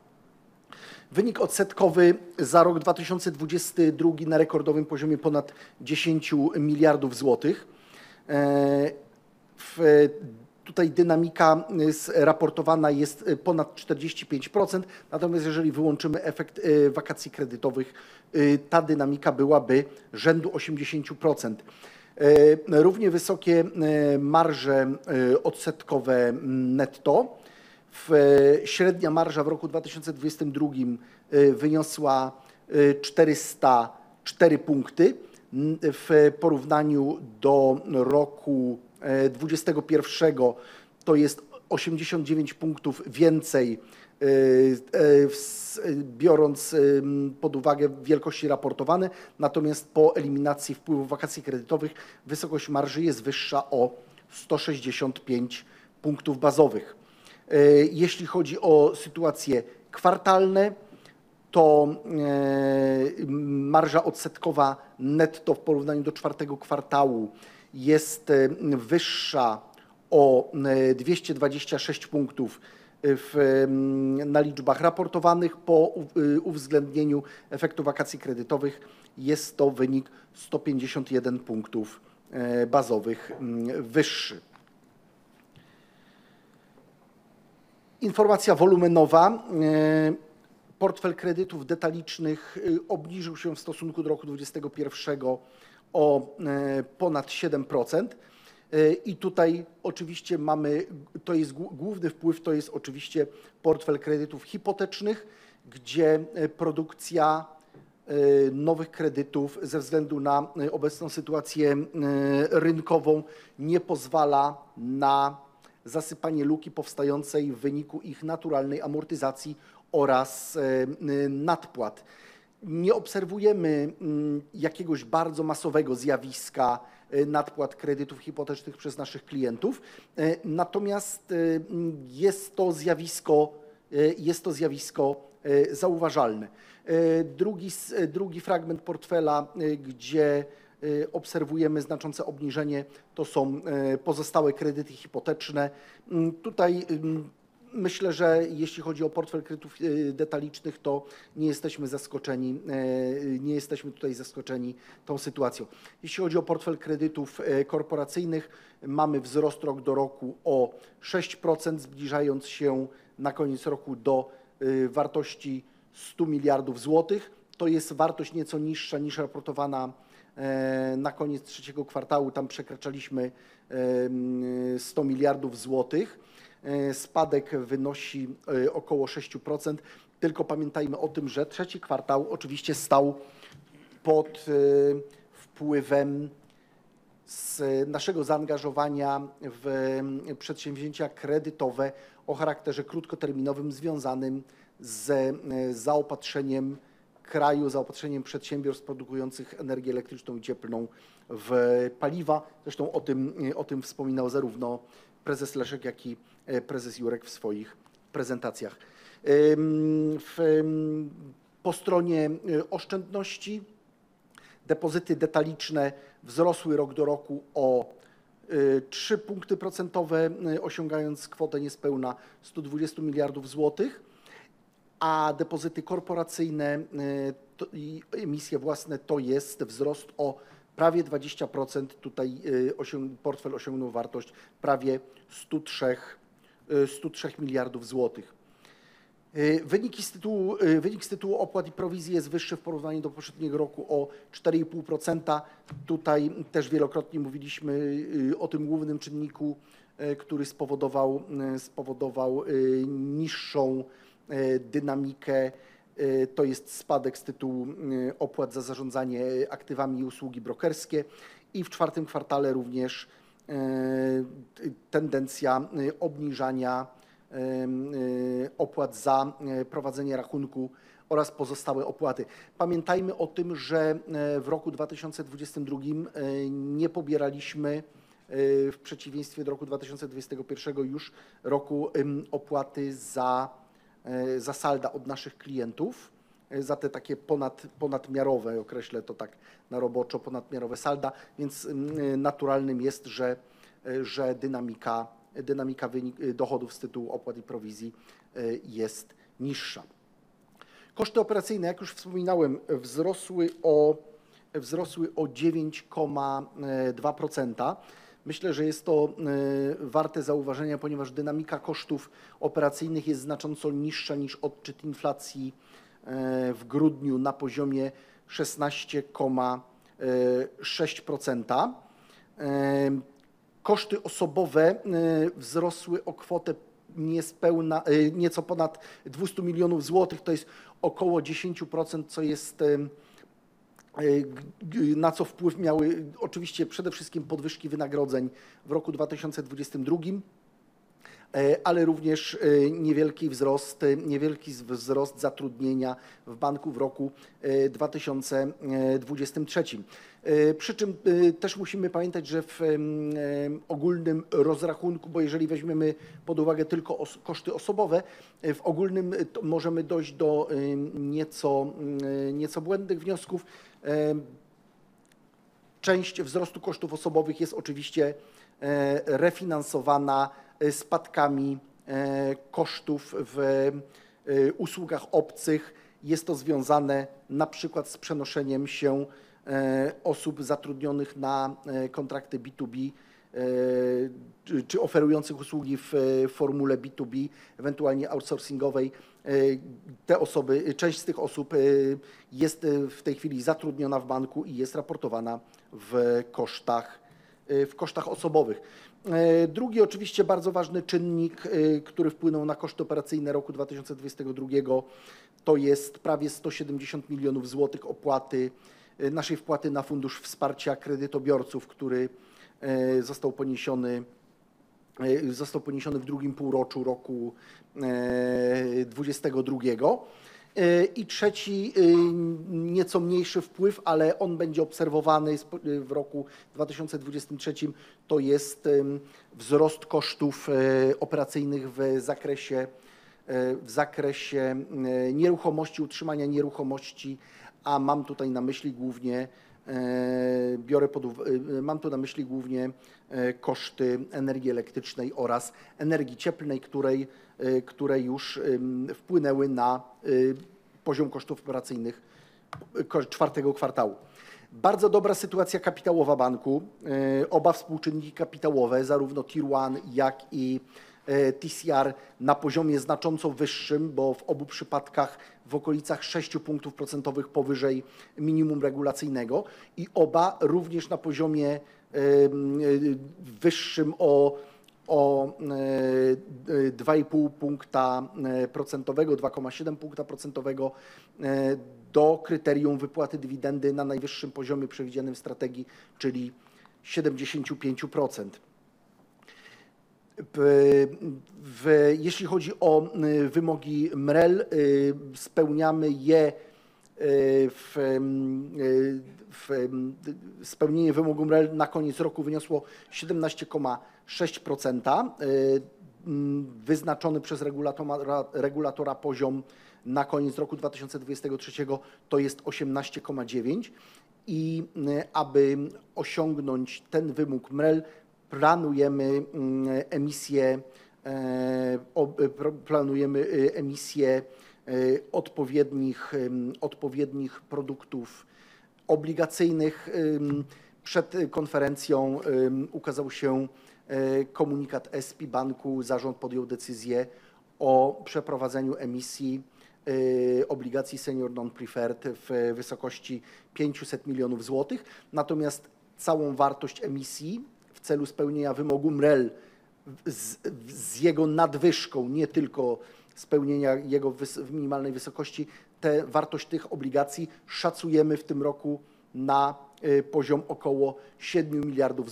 Speaker 4: Wynik odsetkowy za rok 2022 na rekordowym poziomie ponad 10 zlotys miliardów. Tutaj dynamika raportowana jest ponad 45%. Natomiast jeżeli wyłączymy efekt wakacji kredytowych, ta dynamika byłaby rzędu 80%. Równie wysokie marże odsetkowe netto. Średnia marża w roku 2022 wyniosła 404 punkty. W porównaniu do roku 2021 to jest 89 punktów więcej. Biorąc pod uwagę wielkości raportowane. Natomiast po eliminacji wpływów wakacji kredytowych wysokość marży jest wyższa o 165 punktów bazowych. Jeśli chodzi o sytuacje kwartalne, to marża odsetkowa netto w porównaniu do 4. kwartału jest wyższa o 226 punktów na liczbach raportowanych. Po uwzględnieniu efektu wakacji kredytowych jest to wynik 151 punktów bazowych wyższy. Informacja wolumenowa. Portfel kredytów detalicznych obniżył się w stosunku do roku 2021 o ponad 7%. I tutaj oczywiście mamy, główny wpływ to jest oczywiście portfel kredytów hipotecznych, gdzie produkcja nowych kredytów ze względu na obecną sytuację rynkową nie pozwala na zasypanie luki powstającej w wyniku ich naturalnej amortyzacji oraz nadpłat. Nie obserwujemy jakiegoś bardzo masowego zjawiska nadpłat kredytów hipotecznych przez naszych klientów. Natomiast jest to zjawisko zauważalne. Drugi fragment portfela, gdzie obserwujemy znaczące obniżenie, to są pozostałe kredyty hipoteczne. Tutaj myślę, że jeśli chodzi o portfel kredytów detalicznych, to nie jesteśmy zaskoczeni. Nie jesteśmy tutaj zaskoczeni tą sytuacją. Jeśli chodzi o portfel kredytów korporacyjnych, mamy wzrost rok do roku o 6%, zbliżając się na koniec roku do wartości 100 billion zlotys. To jest wartość nieco niższa niż raportowana na koniec trzeciego kwartału. Tam przekraczaliśmy 100 billion zlotys. Spadek wynosi około 6%. Tylko pamiętajmy o tym, że trzeci kwartał oczywiście stał pod wpływem z naszego zaangażowania w przedsięwzięcia kredytowe o charakterze krótkoterminowym, związanym z zaopatrzeniem kraju, zaopatrzeniem przedsiębiorstw produkujących energię elektryczną i cieplną w paliwa. Zresztą o tym wspominał zarówno Prezes Leszek, jak i Prezes Jurek w swoich prezentacjach. Po stronie oszczędności. Depozyty detaliczne wzrosły rok do roku o 3 punkty procentowe, osiągając kwotę niespełna 120 zlotys miliardów. Depozyty korporacyjne i emisje własne to jest wzrost o prawie 20%. Tutaj portfel osiągnął wartość prawie PLN 103 miliardów. Wynik z tytułu opłat i prowizji jest wyższy w porównaniu do poprzedniego roku o 4.5%. Tutaj też wielokrotnie mówiliśmy o tym głównym czynniku, który spowodował niższą dynamikę. To jest spadek z tytułu opłat za zarządzanie aktywami i usługi brokerskie. W czwartym kwartale również tendencja obniżania opłat za prowadzenie rachunku oraz pozostałe opłaty. Pamiętajmy o tym, że w roku 2022 nie pobieraliśmy, w przeciwieństwie do roku 2021 już roku, opłaty za salda od naszych klientów. Za te takie ponadmiarowe, określę to tak na roboczo, ponadmiarowe salda. Naturalnym jest, że dynamika dochodów z tytułu opłat i prowizji jest niższa. Koszty operacyjne, jak już wspominałem, wzrosły o 9.2%. Myślę, że jest to warte zauważenia, ponieważ dynamika kosztów operacyjnych jest znacząco niższa niż odczyt inflacji w grudniu na poziomie 16.6%. Koszty osobowe wzrosły o kwotę niespełna, nieco ponad 200 milionów złotych. To jest około 10%. Co jest na co wpływ miały oczywiście przede wszystkim podwyżki wynagrodzeń w roku 2022, ale również niewielki wzrost zatrudnienia w banku w roku 2023. Przy czym też musimy pamiętać, że w ogólnym rozrachunku, bo jeżeli weźmiemy pod uwagę tylko koszty osobowe w ogólnym, to możemy dojść do nieco błędnych wniosków. Część wzrostu kosztów osobowych jest oczywiście refinansowana spadkami kosztów w usługach obcych. Jest to związane na przykład z przenoszeniem się osób zatrudnionych na kontrakty B2B czy oferujących usługi w formule B2B, ewentualnie outsourcingowej. Te osoby, część z tych osób jest w tej chwili zatrudniona w banku i jest raportowana w kosztach osobowych. Drugi oczywiście bardzo ważny czynnik, który wpłynął na koszty operacyjne roku 2022, to jest prawie 170 million zlotys opłaty, naszej wpłaty na Fundusz Wsparcia Kredytobiorców, który został poniesiony w drugim półroczu 2022. Trzeci, nieco mniejszy wpływ, ale on będzie obserwowany w roku 2023, to jest wzrost kosztów operacyjnych w zakresie nieruchomości, utrzymania nieruchomości. Mam tutaj na myśli głównie, mam tu na myśli głównie, koszty energii elektrycznej oraz energii cieplnej, które już wpłynęły na poziom kosztów operacyjnych Czwartego kwartału. Bardzo dobra sytuacja kapitałowa banku. Oba współczynniki kapitałowe zarówno Tier 1, jak i TCR na poziomie znacząco wyższym, bo w obu przypadkach w okolicach 6 punktów procentowych powyżej minimum regulacyjnego i oba również na poziomie wyższym o 2.5 punktu procentowego, 2.7 punktu procentowego do kryterium wypłaty dywidendy na najwyższym poziomie przewidzianym w strategii, czyli 75%. Jeśli chodzi o wymogi MREL, spełniamy je. Spełnienie wymogu MREL na koniec roku wyniosło 17.6%. Wyznaczony przez regulatora poziom na koniec roku 2023 to jest 18.9%. Aby osiągnąć ten wymóg MREL, planujemy emisję odpowiednich produktów obligacyjnych. Przed konferencją ukazał się komunikat SGB-Banku. Zarząd podjął decyzję o przeprowadzeniu emisji obligacji senior non-preferred w wysokości 500 zlotys milionów. Całą wartość emisji w celu spełnienia wymogu MREL z jego nadwyżką, nie tylko spełnienia jego w minimalnej wysokości. Tę wartość tych obligacji szacujemy w tym roku na poziom około 7 zlotys miliardów.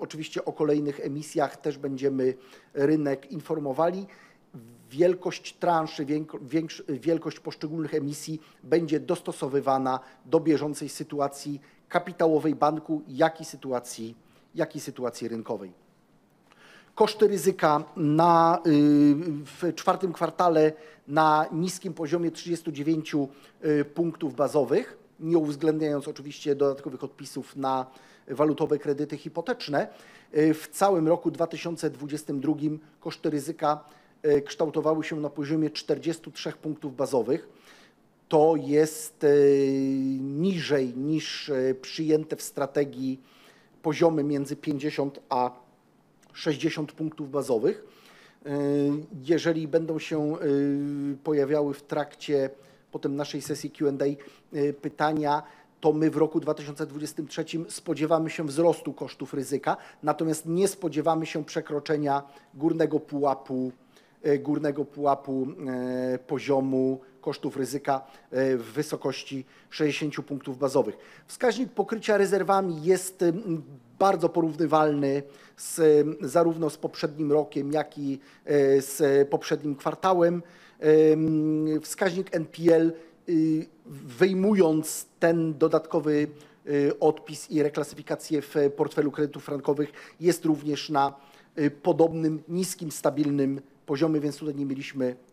Speaker 4: Oczywiście o kolejnych emisjach też będziemy rynek informowali. Wielkość transzy, wielkość poszczególnych emisji będzie dostosowywana do bieżącej sytuacji kapitałowej banku, jak i sytuacji rynkowej. Koszty ryzyka na w czwartym kwartale na niskim poziomie 39 punktów bazowych, nie uwzględniając oczywiście dodatkowych odpisów na walutowe kredyty hipoteczne. W całym roku 2022 koszty ryzyka kształtowały się na poziomie 43 punktów bazowych. Niżej niż przyjęte w strategii poziomy między 50-60 punktów bazowych. Jeżeli będą się pojawiały w trakcie potem naszej sesji Q&A, pytania, to my w roku 2023 spodziewamy się wzrostu kosztów ryzyka, natomiast nie spodziewamy się przekroczenia górnego pułapu poziomu kosztów ryzyka w wysokości 60 basis points. Wskaźnik pokrycia rezerwami jest bardzo porównywalny z, zarówno z poprzednim rokiem, jak i z poprzednim kwartałem. Wskaźnik NPL, wyjmując ten dodatkowy odpis i reklasyfikację w portfelu kredytów frankowych, jest również na podobnym niskim, stabilnym poziomie, więc tutaj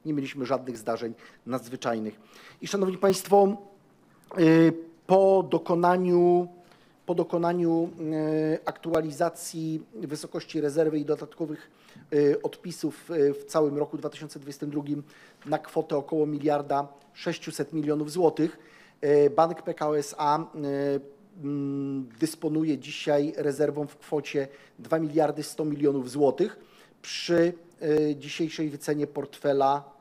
Speaker 4: nie mieliśmy żadnych zdarzeń nadzwyczajnych. Szanowni państwo, po dokonaniu aktualizacji wysokości rezerwy i dodatkowych odpisów w całym roku 2022 na kwotę około PLN 1.6 billion, Bank Pekao S.A. dysponuje dzisiaj rezerwą w kwocie 2.1 billion zlotys. Przy dzisiejszej wycenie portfela,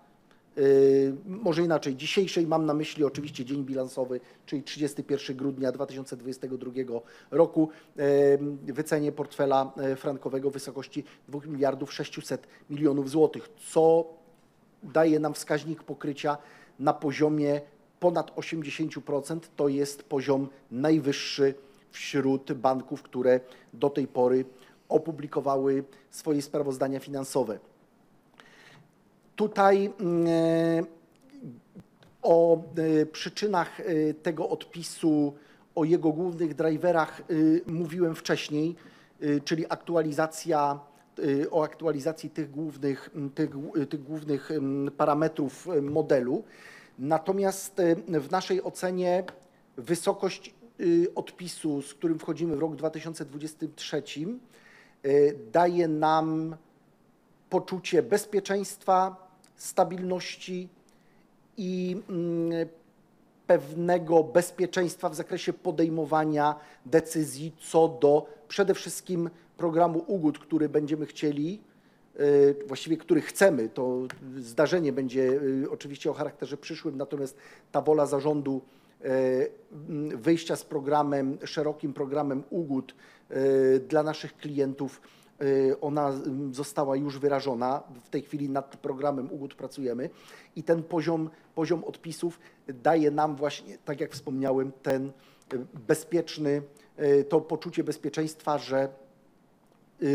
Speaker 4: może inaczej. Dzisiejszej, mam na myśli oczywiście dzień bilansowy, czyli 31st December 2022 roku. Wycenie portfela frankowego w wysokości 2.6 billion zlotys, co daje nam wskaźnik pokrycia na poziomie ponad 80%. To jest poziom najwyższy wśród banków, które do tej pory opublikowały swoje sprawozdania finansowe. Tutaj o przyczynach tego odpisu, o jego głównych driverach, mówiłem wcześniej. Czyli aktualizacja o aktualizacji tych głównych parametrów modelu. W naszej ocenie wysokość odpisu, z którym wchodzimy w rok 2023, daje nam poczucie bezpieczeństwa, stabilności i pewnego bezpieczeństwa w zakresie podejmowania decyzji co do przede wszystkim programu ugód, który chcemy. To zdarzenie będzie oczywiście o charakterze przyszłym. Ta wola zarządu wyjścia z programem, szerokim programem ugód dla naszych klientów, ona została już wyrażona. W tej chwili nad programem ugód pracujemy. Ten poziom odpisów daje nam właśnie, tak jak wspomniałem, ten bezpieczny to poczucie bezpieczeństwa, że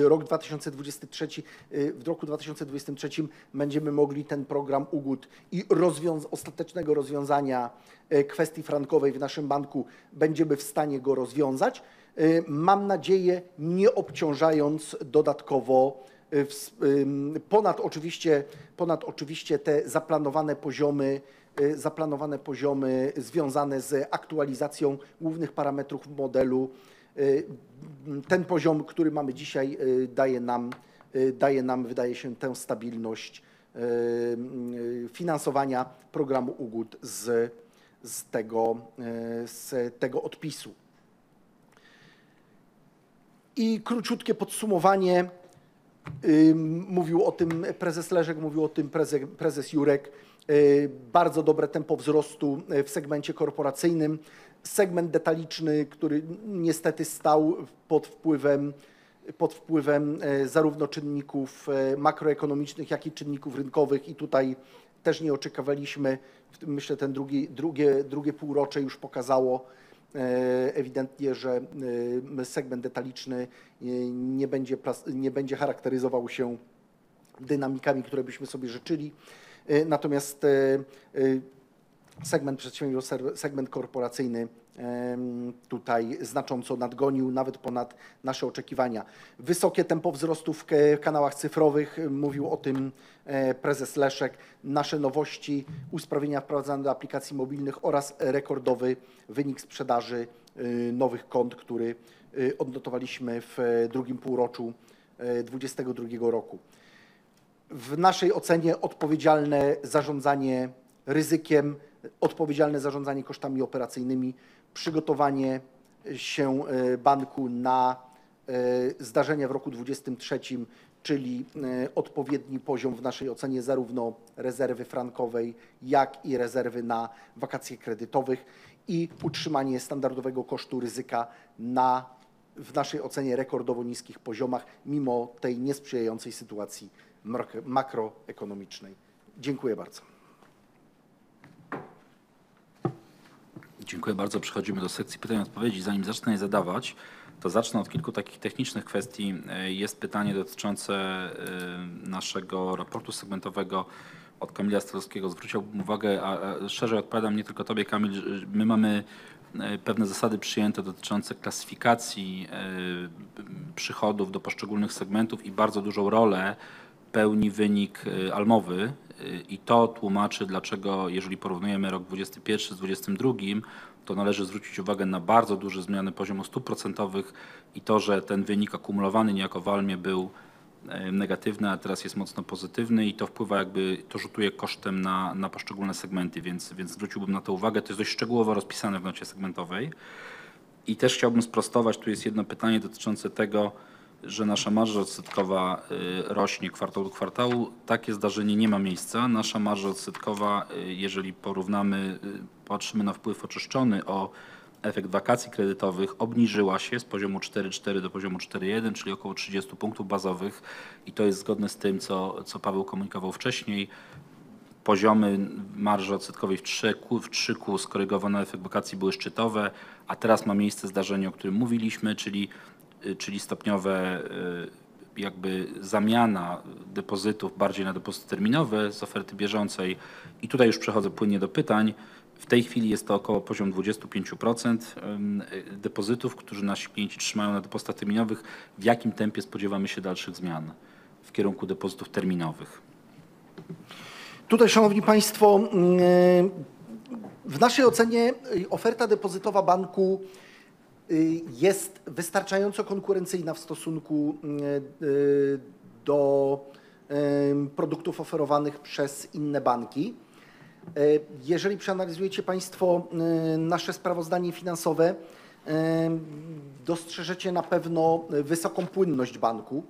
Speaker 4: rok 2023, w roku 2023 będziemy mogli ten program ugód i ostatecznego rozwiązania kwestii frankowej w naszym banku, będziemy w stanie go rozwiązać. Mam nadzieję, nie obciążając dodatkowo ponad oczywiście, ponad oczywiście te zaplanowane poziomy, zaplanowane poziomy związane z aktualizacją głównych parametrów w modelu. Ten poziom, który mamy dzisiaj, daje nam wydaje się tę stabilność finansowania programu ugód z tego, z tego odpisu. Króciutkie podsumowanie. Mówił o tym Prezes Leszek. Mówił o tym Prezes Jurek. Bardzo dobre tempo wzrostu w segmencie korporacyjnym. Segment detaliczny, który niestety stał pod wpływem zarówno czynników makroekonomicznych, jak i czynników rynkowych. Tutaj też nie oczekiwaliśmy. Myślę, ten drugie półrocze już pokazało ewidentnie, że segment detaliczny nie będzie charakteryzował się dynamikami, które byśmy sobie życzyli. Natomiast segment korporacyjny tutaj znacząco nadgonił nawet ponad nasze oczekiwania. Wysokie tempo wzrostu w kanałach cyfrowych. Mówił o tym Prezes Leszek. Nasze nowości, usprawnienia wprowadzane do aplikacji mobilnych oraz rekordowy wynik sprzedaży nowych kont, który odnotowaliśmy w drugim półroczy 2022 roku. W naszej ocenie odpowiedzialne zarządzanie ryzykiem. Odpowiedzialne zarządzanie kosztami operacyjnymi. Przygotowanie się banku na zdarzenia w roku 2023, czyli odpowiedni poziom w naszej ocenie zarówno rezerwy frankowej, jak i rezerwy na wakacje kredytowych i utrzymanie standardowego kosztu ryzyka na, w naszej ocenie rekordowo niskich poziomach. Mimo tej niesprzyjającej sytuacji makroekonomicznej. Dziękuję bardzo.
Speaker 1: Dziękuję bardzo. Przechodzimy do sekcji pytań i odpowiedzi. Zacznę je zadawać, zacznę od kilku takich technicznych kwestii. Jest pytanie dotyczące naszego raportu segmentowego od Kamila Stolarskiego. Zwróciłbym uwagę, szczerze odpowiadam nie tylko tobie, Kamil. My mamy pewne zasady przyjęte, dotyczące klasyfikacji przychodów do poszczególnych segmentów i bardzo dużą rolę pełni wynik ALM-owy. To tłumaczy, dlaczego, jeżeli porównujemy rok 21 z 22, to należy zwrócić uwagę na bardzo duże zmiany poziomu stóp procentowych i to, że ten wynik akumulowany niejako w ALM-ie był negatywny, a teraz jest mocno pozytywny i to wpływa jakby, to rzutuje kosztem na poszczególne segmenty, więc zwróciłbym na to uwagę. To jest dość szczegółowo rozpisane w nocie segmentowej. Też chciałbym sprostować. Tu jest jedno pytanie dotyczące tego, że nasza marża odsetkowa rośnie kwartał do kwartału. Takie zdarzenie nie ma miejsca. Nasza marża odsetkowa, jeżeli porównamy, patrzymy na wpływ oczyszczony o efekt wakacji kredytowych, obniżyła się z poziomu 4.4% do poziomu 4.1%, czyli około 30 basis points. To jest zgodne z tym, co Paweł komunikował wcześniej. Poziomy marży odsetkowej w Q3 skorygowane o efekt wakacji były szczytowe, a teraz ma miejsce zdarzenie, o którym mówiliśmy, czyli stopniowe, jakby zamiana depozytów bardziej na depozyty terminowe z oferty bieżącej. Tutaj już przechodzę płynnie do pytań. W tej chwili jest to około poziom 25% depozytów, którzy nasi klienci trzymają na depozytach terminowych. W jakim tempie spodziewamy się dalszych zmian w kierunku depozytów terminowych?
Speaker 4: Tutaj szanowni państwo, w naszej ocenie, oferta depozytowa Banku jest wystarczająco konkurencyjna w stosunku do produktów oferowanych przez inne banki. Jeżeli przeanalizujecie państwo nasze sprawozdanie finansowe, dostrzeżecie na pewno wysoką płynność Banku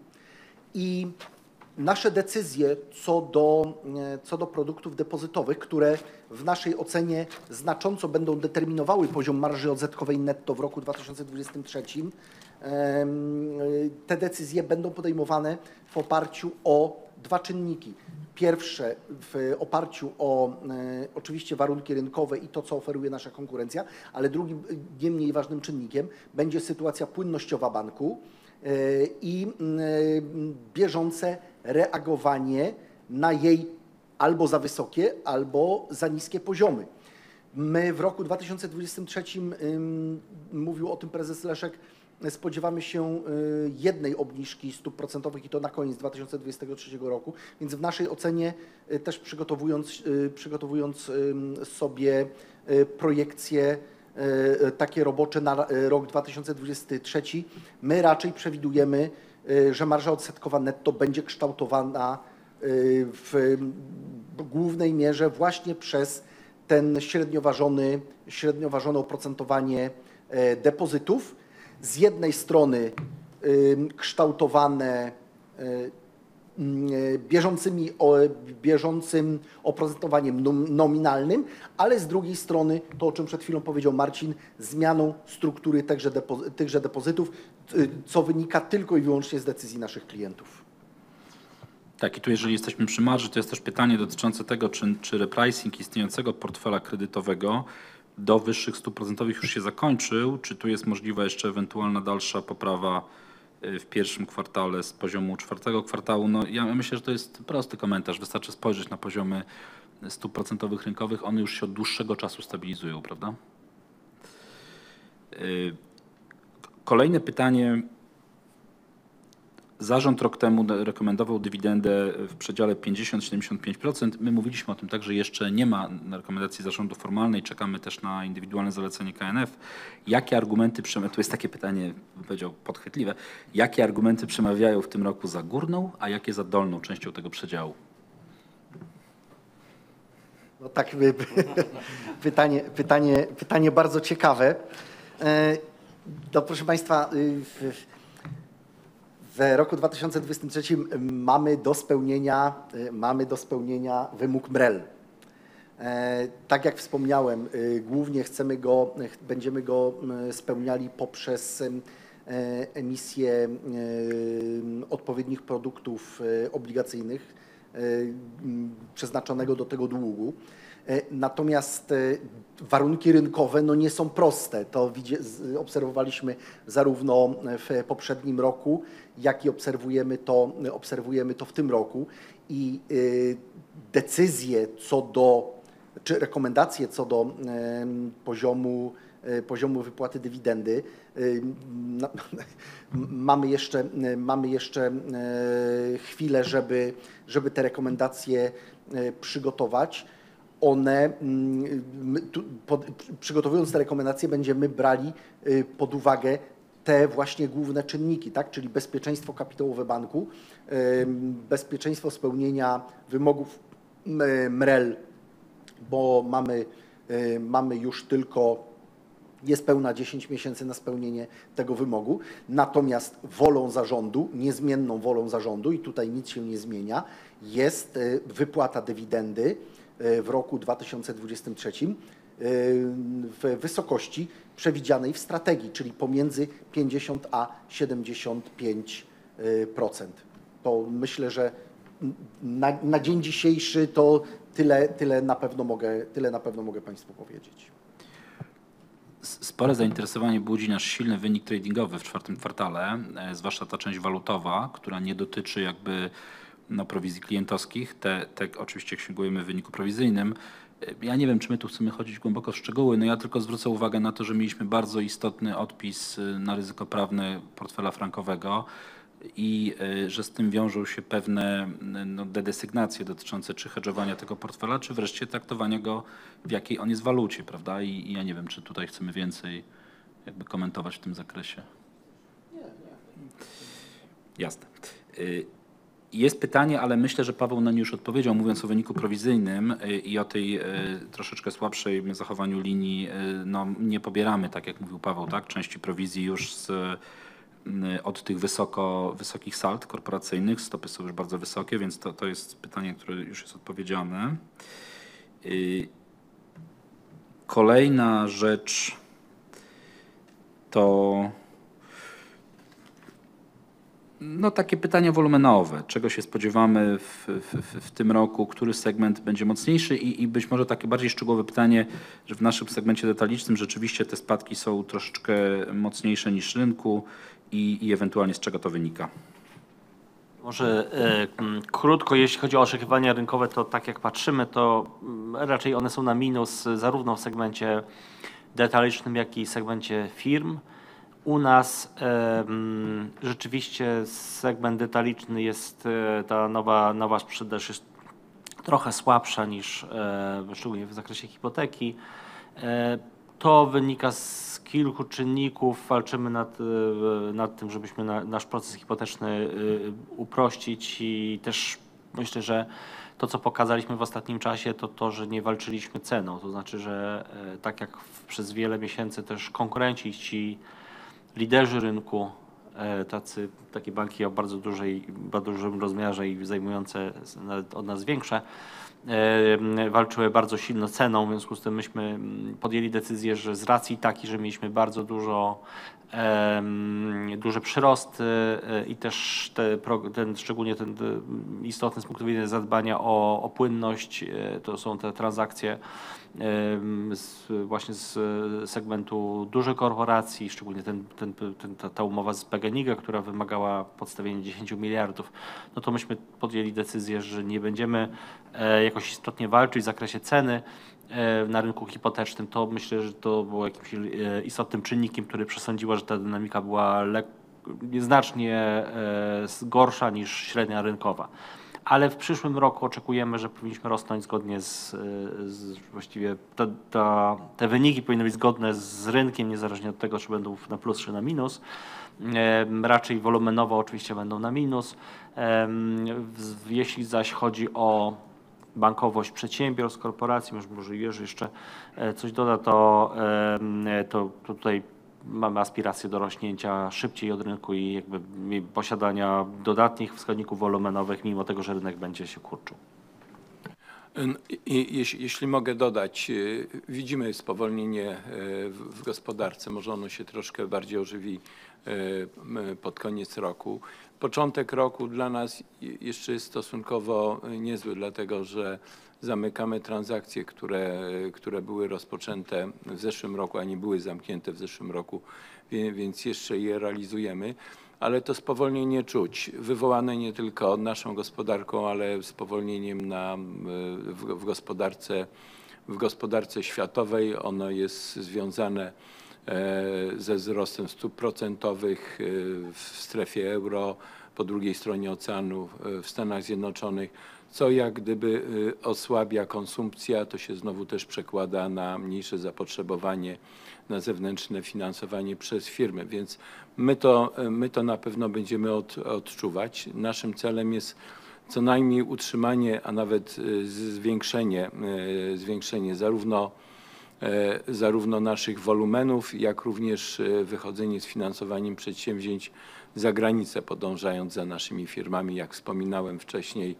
Speaker 4: i nasze decyzje co do produktów depozytowych, które w naszej ocenie znacząco będą determinowały poziom marży odsetkowej netto w roku 2023. Te decyzje będą podejmowane w oparciu o 2 czynniki. Pierwsze: w oparciu o oczywiście warunki rynkowe i to, co oferuje nasza konkurencja. Drugim, nie mniej ważnym czynnikiem, będzie sytuacja płynnościowa Banku i bieżące reagowanie na jej albo za wysokie, albo za niskie poziomy. My w roku 2023, mówił o tym Prezes Leszek, spodziewamy się 1 obniżki stóp procentowych i to na koniec 2023 roku. Więc w naszej ocenie, też przygotowując, sobie, projekcje, takie robocze na, rok 2023, my raczej przewidujemy, że marża odsetkowa netto będzie kształtowana, w głównej mierze właśnie przez ten średnio ważony, średnio ważone oprocentowanie, depozytów. Z jednej strony, kształtowane, bieżącym oprocentowaniem nominalnym, ale z drugiej strony to, o czym przed chwilą powiedział Marcin – zmianą struktury także tychże depozytów, co wynika tylko i wyłącznie z decyzji naszych klientów.
Speaker 1: Tu, jeżeli jesteśmy przy marży, to jest też pytanie dotyczące tego, czy repricing istniejącego portfela kredytowego do wyższych stóp procentowych już się zakończył. Czy tu jest możliwa jeszcze ewentualna dalsza poprawa w pierwszym kwartale z poziomu czwartego kwartału? Ja myślę, że to jest prosty komentarz. Wystarczy spojrzeć na poziomy stóp procentowych rynkowych. One już się od dłuższego czasu stabilizują, prawda? Kolejne pytanie. Zarząd rok temu rekomendował dywidendę w przedziale 50%-75%. My mówiliśmy o tym także. Jeszcze nie ma rekomendacji zarządu formalnej. Czekamy też na indywidualne zalecenie KNF. Tu jest takie pytanie, bym powiedział, podchwytliwe. Jakie argumenty przemawiają w tym roku za górną, a jakie za dolną częścią tego przedziału?
Speaker 4: Tak. Pytanie bardzo ciekawe. Proszę państwa, w roku 2023 mamy do spełnienia wymóg MREL. Tak jak wspomniałem, głównie chcemy go, będziemy go spełniali poprzez emisję odpowiednich produktów obligacyjnych, przeznaczonego do tego długu. Warunki rynkowe nie są proste. To obserwowaliśmy zarówno w poprzednim roku, jak i obserwujemy to w tym roku. Decyzje czy rekomendacje co do poziomu wypłaty dywidendy. Mamy jeszcze chwilę, żeby te rekomendacje przygotować. One, tu, przygotowując te rekomendacje, będziemy brali pod uwagę te właśnie główne czynniki, tak? Czyli bezpieczeństwo kapitałowe banku. Bezpieczeństwo spełnienia wymogów MREL, bo mamy już tylko niespełna 10 miesięcy na spełnienie tego wymogu. Wolą zarządu, niezmienną wolą zarządu, i tutaj nic się nie zmienia, jest wypłata dywidendy w roku 2023 w wysokości przewidzianej w strategii, czyli pomiędzy 50%-75%. Myślę, że na dzień dzisiejszy to tyle na pewno mogę państwu powiedzieć.
Speaker 1: Spore zainteresowanie budzi nasz silny wynik tradingowy w czwartym kwartale. Zwłaszcza ta część walutowa, która nie dotyczy jakby, no prowizji klientowskich. Te oczywiście księgujemy w wyniku prowizyjnym. Ja nie wiem, czy my tu chcemy chodzić głęboko w szczegóły. No, ja tylko zwrócę uwagę na to, że mieliśmy bardzo istotny odpis na ryzyko prawne portfela frankowego i że z tym wiążą się pewne, no dedesygnacje dotyczące czy hedgowania tego portfela, czy wreszcie traktowania go, w jakiej on jest walucie, prawda? I ja nie wiem, czy tutaj chcemy więcej jakby komentować w tym zakresie.
Speaker 4: Nie, nie.
Speaker 1: Jasne. Jest pytanie, ale myślę, że Paweł na nie już odpowiedział, mówiąc o wyniku prowizyjnym i o tej troszeczkę słabszej zachowaniu linii. No, nie pobieramy, tak jak mówił Paweł, tak? Części prowizji już od tych wysokich sald korporacyjnych. Stopy są już bardzo wysokie, to jest pytanie, które już jest odpowiedziane. Kolejna rzecz to. No, takie pytanie wolumenowe. Czego się spodziewamy w tym roku? Który segment będzie mocniejszy? Być może takie bardziej szczegółowe pytanie, że w naszym segmencie detalicznym rzeczywiście te spadki są troszeczkę mocniejsze niż rynku ewentualnie z czego to wynika?
Speaker 2: Może krótko. Jeśli chodzi o oczekiwania rynkowe, to tak jak patrzymy, to raczej one są na minus zarówno w segmencie detalicznym, jak i segmencie firm. U nas rzeczywiście segment detaliczny jest ta nowa sprzedaż jest trochę słabsza niż szczególnie w zakresie hipoteki. To wynika z kilku czynników. Walczymy nad tym, żebyśmy nasz proces hipoteczny uprościć. Też myślę, że to, co pokazaliśmy w ostatnim czasie, to to, że nie walczyliśmy ceną. To znaczy, że tak jak przez wiele miesięcy też konkurenci, ci liderzy rynku, takie banki o bardzo dużym rozmiarze i zajmujące nawet od nas większe, walczyły bardzo silnie ceną. W związku z tym myśmy podjęli decyzję, że z racji takiej, że mieliśmy bardzo dużo, duży przyrost, i też ten, szczególnie ten, istotny z punktu widzenia zadbania o płynność, to są te transakcje z właśnie z segmentu dużych korporacji, szczególnie ten, ta umowa z PGNiG-a, która wymagała podstawienia 10 billion, no to myśmy podjęli decyzję, że nie będziemy jakoś istotnie walczyć w zakresie ceny na rynku hipotecznym. To myślę, że to było jakimś istotnym czynnikiem, który przesądziło, że ta dynamika była nieznacznie gorsza niż średnia rynkowa. W przyszłym roku oczekujemy, że powinniśmy rosnąć zgodnie z, właściwie te wyniki powinny być zgodne z rynkiem, niezależnie od tego, czy będą na plus, czy na minus. Raczej wolumenowo oczywiście będą na minus. Jeśli zaś chodzi o bankowość przedsiębiorstw, korporacji. Może Jerzy jeszcze coś doda. To tutaj mamy aspiracje do rośnięcia szybciej od rynku i jakby posiadania dodatnich wskaźników wolumenowych, mimo tego, że rynek będzie się kurczył.
Speaker 3: Jeśli mogę dodać. Widzimy spowolnienie w gospodarce. Może ono się troszkę bardziej ożywi pod koniec roku. Początek roku dla nas jeszcze jest stosunkowo niezły, dlatego że zamykamy transakcje, które były rozpoczęte w zeszłym roku, a nie były zamknięte w zeszłym roku, więc jeszcze je realizujemy. To spowolnienie czuć. Wywołane nie tylko naszą gospodarką, ale spowolnieniem w gospodarce światowej. Ono jest związane ze wzrostem stóp procentowych w strefie euro. Po drugiej stronie oceanu w Stanach Zjednoczonych. Co, jak gdyby, osłabia konsumpcja. To się znowu też przekłada na mniejsze zapotrzebowanie na zewnętrzne finansowanie przez firmy. My to na pewno będziemy odczuwać. Naszym celem jest co najmniej utrzymanie, a nawet zwiększenie zarówno naszych wolumenów, jak również wychodzenie z finansowaniem przedsięwzięć za granicę, podążając za naszymi firmami. Jak wspominałem wcześniej,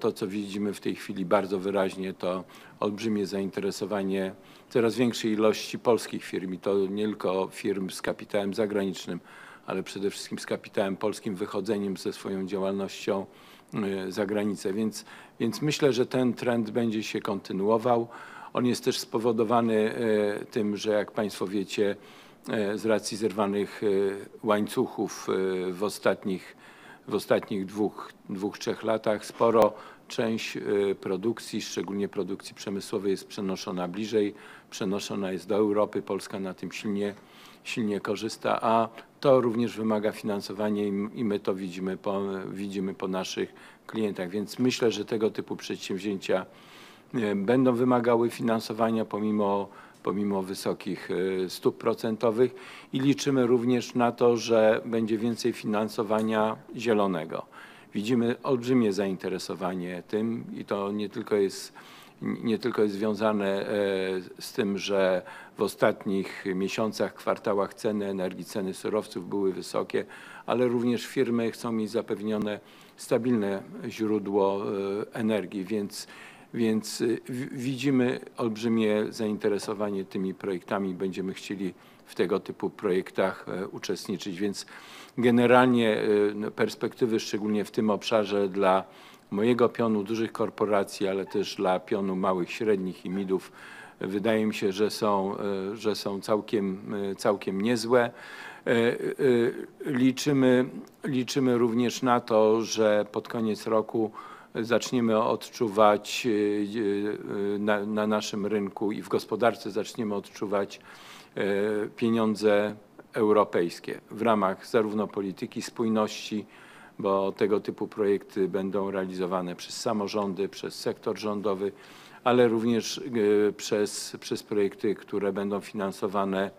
Speaker 3: to, co widzimy w tej chwili bardzo wyraźnie, to olbrzymie zainteresowanie coraz większej ilości Polskich firm. I to nie tylko firm z kapitałem zagranicznym, ale przede wszystkim z kapitałem Polskim, wychodzeniem ze swoją działalnością za granicę. Więc myślę, że ten trend będzie się kontynuował. On jest też spowodowany tym, że – jak państwo wiecie – z racji zerwanych łańcuchów w ostatnich dwóch, trzech latach spora część produkcji, szczególnie produkcji przemysłowej, jest przenoszona bliżej. Przenoszona jest do Europy. Polska na tym silnie korzysta, a to również wymaga finansowania. I my to widzimy po naszych klientach. Więc myślę, że tego typu przedsięwzięcia będą wymagały finansowania, pomimo wysokich stóp procentowych. I liczymy również na to, że będzie więcej finansowania zielonego. Widzimy olbrzymie zainteresowanie tym. To nie tylko jest związane z tym, że w ostatnich miesiącach, kwartałach ceny energii, ceny surowców były wysokie, ale również firmy chcą mieć zapewnione stabilne źródło energii. Widzimy olbrzymie zainteresowanie tymi projektami. Będziemy chcieli w tego typu projektach uczestniczyć. Generalnie perspektywy, szczególnie w tym obszarze dla mojego pionu dużych korporacji, ale też dla pionu małych, średnich i MID-ów, wydaje mi się, że są całkiem niezłe. Liczymy również na to, że pod koniec roku zaczniemy odczuwać na naszym rynku i w gospodarce zaczniemy odczuwać pieniądze europejskie. W ramach zarówno polityki spójności, bo tego typu projekty będą realizowane przez samorządy, przez sektor rządowy, ale również przez projekty, które będą finansowane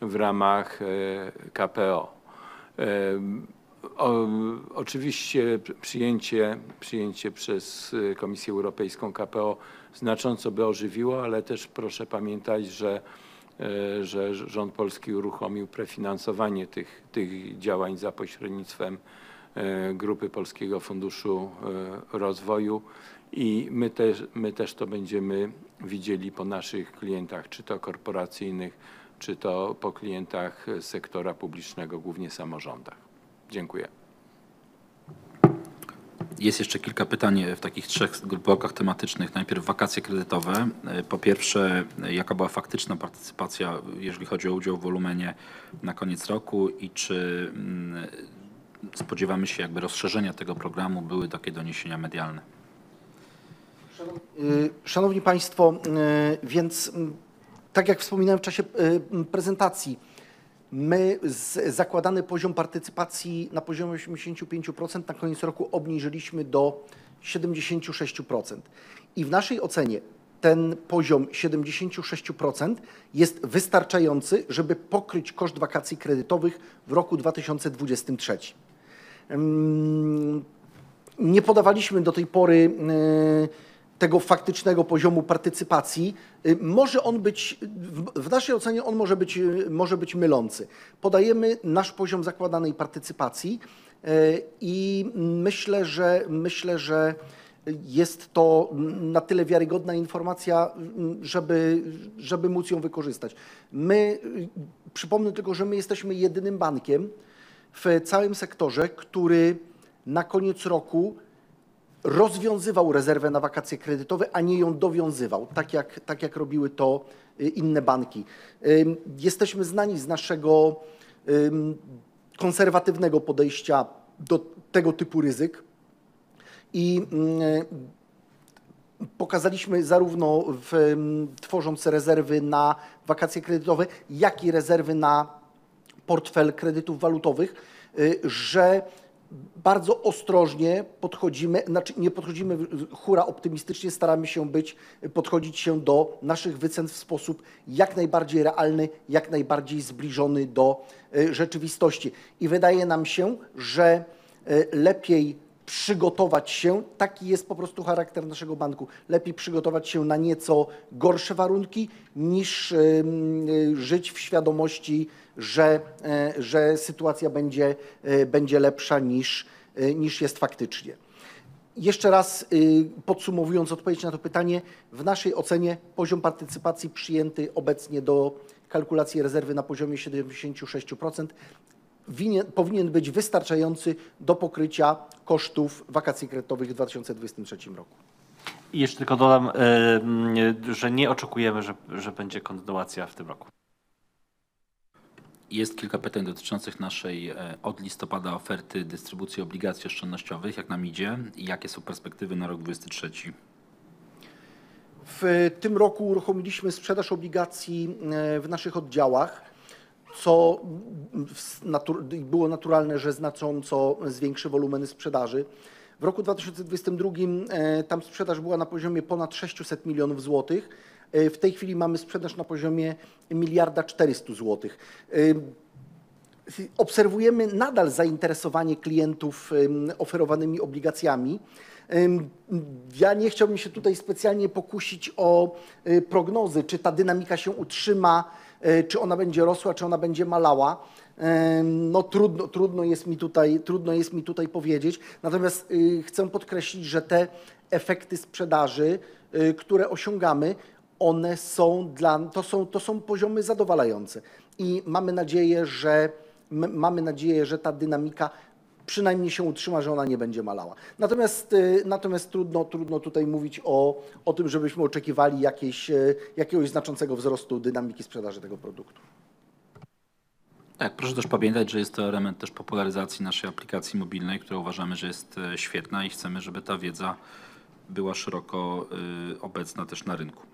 Speaker 3: w ramach KPO. Oczywiście przyjęcie przez Komisję Europejską KPO znacząco by ożywiło. Też proszę pamiętać, że rząd polski uruchomił prefinansowanie tych działań za pośrednictwem Grupy Polskiego Funduszu Rozwoju i my też to będziemy widzieli po naszych klientach, czy to korporacyjnych, czy to po klientach sektora publicznego, głównie samorządach. Dziękuję.
Speaker 1: Jest jeszcze kilka pytań, w takich trzech blokach tematycznych. Najpierw wakacje kredytowe. Po pierwsze, jaka była faktyczna partycypacja, jeżeli chodzi o udział w wolumenie na koniec roku i czy spodziewamy się jakby rozszerzenia tego programu? Były takie doniesienia medialne.
Speaker 4: Szanowni państwo! Tak jak wspominałem w czasie prezentacji. My zakładany poziom partycypacji na poziomie 85% na koniec roku obniżyliśmy do 76%. W naszej ocenie ten poziom 76% jest wystarczający, żeby pokryć koszt wakacji kredytowych w roku 2023. Nie podawaliśmy do tej pory tego faktycznego poziomu partycypacji. W naszej ocenie on może być mylący. Podajemy nasz poziom zakładanej partycypacji i myślę, że jest to na tyle wiarygodna informacja, żeby móc ją wykorzystać. My, przypomnę tylko, że my jesteśmy jedynym bankiem w całym sektorze, który na koniec roku rozwiązywał rezerwę na wakacje kredytowe, a nie ją dowiązywał. Tak jak robiły to inne banki. Jesteśmy znani z naszego konserwatywnego podejścia do tego typu ryzyk. pokazaliśmy zarówno tworząc rezerwy na wakacje kredytowe, jak i rezerwy na portfel kredytów walutowych, że bardzo ostrożnie podchodzimy, znaczy nie podchodzimy huraoptymistycznie, staramy się być, podchodzić się do naszych wycen w sposób jak najbardziej realny, jak najbardziej zbliżony do rzeczywistości. Wydaje nam się, że lepiej przygotować się. Taki jest po prostu charakter naszego banku. Lepiej przygotować się na nieco gorsze warunki, niż żyć w świadomości, że że sytuacja będzie będzie lepsza niż niż jest faktycznie. Jeszcze raz, podsumowując odpowiedź na to pytanie. W naszej ocenie poziom partycypacji przyjęty obecnie do kalkulacji rezerwy na poziomie 76% powinien być wystarczający do pokrycia kosztów wakacji kredytowych w 2023 roku.
Speaker 1: Jeszcze tylko dodam, że nie oczekujemy, że będzie kontynuacja w tym roku. Jest kilka pytań dotyczących naszej od listopada oferty dystrybucji obligacji oszczędnościowych. Jak nam idzie i jakie są perspektywy na rok 2023?
Speaker 4: W tym roku uruchomiliśmy sprzedaż obligacji w naszych oddziałach, co było naturalne, że znacząco zwiększy wolumeny sprzedaży. W roku 2022 tam sprzedaż była na poziomie ponad PLN 600 million. W tej chwili mamy sprzedaż na poziomie PLN 1.4 billion. Obserwujemy nadal zainteresowanie klientów oferowanymi obligacjami. Ja nie chciałbym się tutaj specjalnie pokusić o prognozy. Czy ta dynamika się utrzyma, czy ona będzie rosła, czy ona będzie malała. No trudno jest mi tutaj powiedzieć. Chcę podkreślić, że te efekty sprzedaży, które osiągamy, one są to są poziomy zadowalające. Mamy nadzieję, że ta dynamika przynajmniej się utrzyma, że ona nie będzie malała. Trudno tutaj mówić o tym, żebyśmy oczekiwali jakiegoś znaczącego wzrostu dynamiki sprzedaży tego produktu.
Speaker 1: Tak. Proszę też pamiętać, że jest to element też popularyzacji naszej aplikacji mobilnej, która uważamy, że jest świetna i chcemy, żeby ta wiedza była szeroko obecna też na rynku.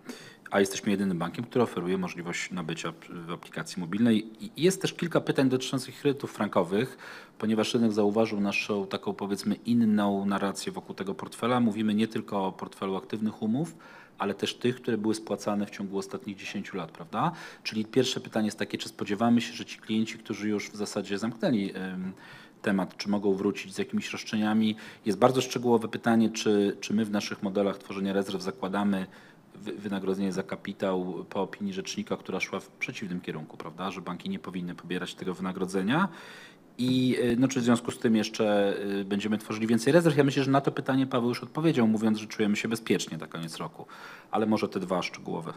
Speaker 1: Jesteśmy jedynym bankiem, który oferuje możliwość nabycia w aplikacji mobilnej. Jest też kilka pytań dotyczących kredytów frankowych. Ponieważ rynek zauważył naszą taką, powiedzmy, inną narrację wokół tego portfela. Mówimy nie tylko o portfelu aktywnych umów, ale też tych, które były spłacane w ciągu ostatnich 10 lat, prawda? Pierwsze pytanie jest takie: czy spodziewamy się, że ci klienci, którzy już w zasadzie zamknęli temat, czy mogą wrócić z jakimiś roszczeniami? Jest bardzo szczegółowe pytanie, czy my w naszych modelach tworzenia rezerw zakładamy wynagrodzenie za kapitał po opinii rzecznika, która szła w przeciwnym kierunku, prawda? Że banki nie powinny pobierać tego wynagrodzenia. No czy w związku z tym jeszcze będziemy tworzyli więcej rezerw? Ja myślę, że na to pytanie Paweł już odpowiedział mówiąc, że czujemy się bezpiecznie na koniec roku. Może te 2 szczegółowe.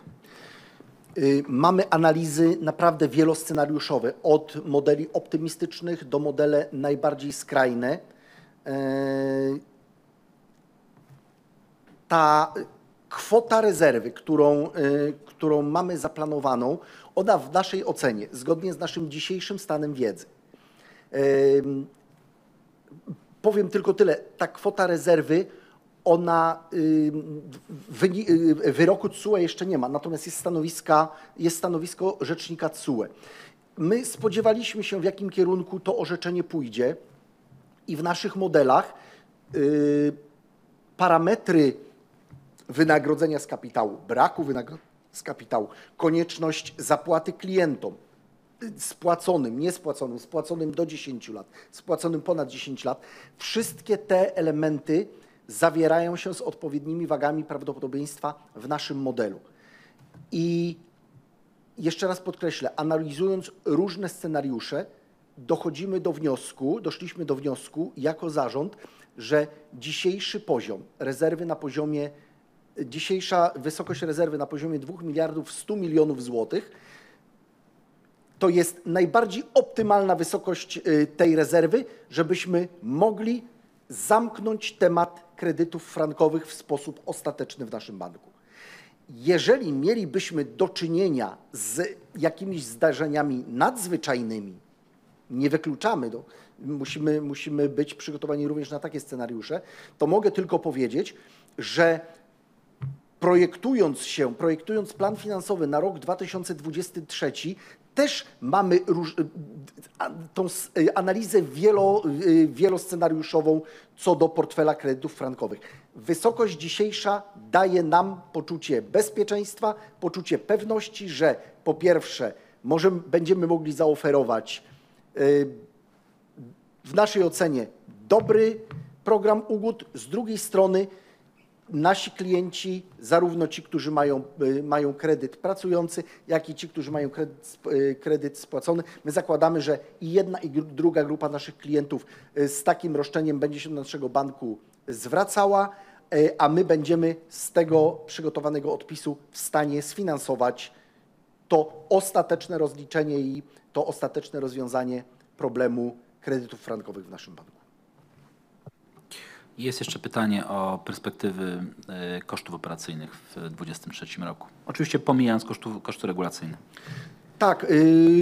Speaker 4: Mamy analizy naprawdę wieloscenariuszowe. Od modeli optymistycznych do modele najbardziej skrajne. Ta kwota rezerwy, którą mamy zaplanowaną, ona w naszej ocenie, zgodnie z naszym dzisiejszym stanem wiedzy. Powiem tylko tyle. Ta kwota rezerwy, ona, wyroku TSUE jeszcze nie ma. Jest stanowisko rzecznika TSUE. My spodziewaliśmy się, w jakim kierunku to orzeczenie pójdzie. W naszych modelach, parametry wynagrodzenia z kapitału, braku wynagrodzenia z kapitału, konieczność zapłaty klientom. Spłaconym, niespłaconym, spłaconym do 10 lat, spłaconym ponad 10 lat. Wszystkie te elementy zawierają się z odpowiednimi wagami prawdopodobieństwa w naszym modelu. Jeszcze raz podkreślę, analizując różne scenariusze, dochodzimy do wniosku, doszliśmy do wniosku jako zarząd, że dzisiejszy poziom rezerwy na poziomie, dzisiejsza wysokość rezerwy na poziomie 2.1 billion zlotys to jest najbardziej optymalna wysokość tej rezerwy, żebyśmy mogli zamknąć temat kredytów frankowych w sposób ostateczny w naszym banku. Mielibyśmy do czynienia z jakimiś zdarzeniami nadzwyczajnymi. Nie wykluczamy. Musimy być przygotowani również na takie scenariusze. Mogę tylko powiedzieć, że projektując plan finansowy na rok 2023 też mamy analizę wieloscenariuszową co do portfela kredytów frankowych. Wysokość dzisiejsza daje nam poczucie bezpieczeństwa, poczucie pewności, że po pierwsze będziemy mogli zaoferować w naszej ocenie dobry program ugód. Z drugiej strony nasi klienci. Zarówno ci, którzy mają kredyt pracujący, jak i ci, którzy mają kredyt spłacony. My zakładamy, że i jedna, i druga grupa naszych klientów, z takim roszczeniem będzie się do naszego Banku zwracała, a my będziemy z tego przygotowanego odpisu w stanie sfinansować to ostateczne rozliczenie i to ostateczne rozwiązanie problemu kredytów frankowych w naszym Banku.
Speaker 1: Jest jeszcze pytanie o perspektywy kosztów operacyjnych w 2023 roku. Oczywiście pomijając koszty regulacyjne.
Speaker 4: Tak.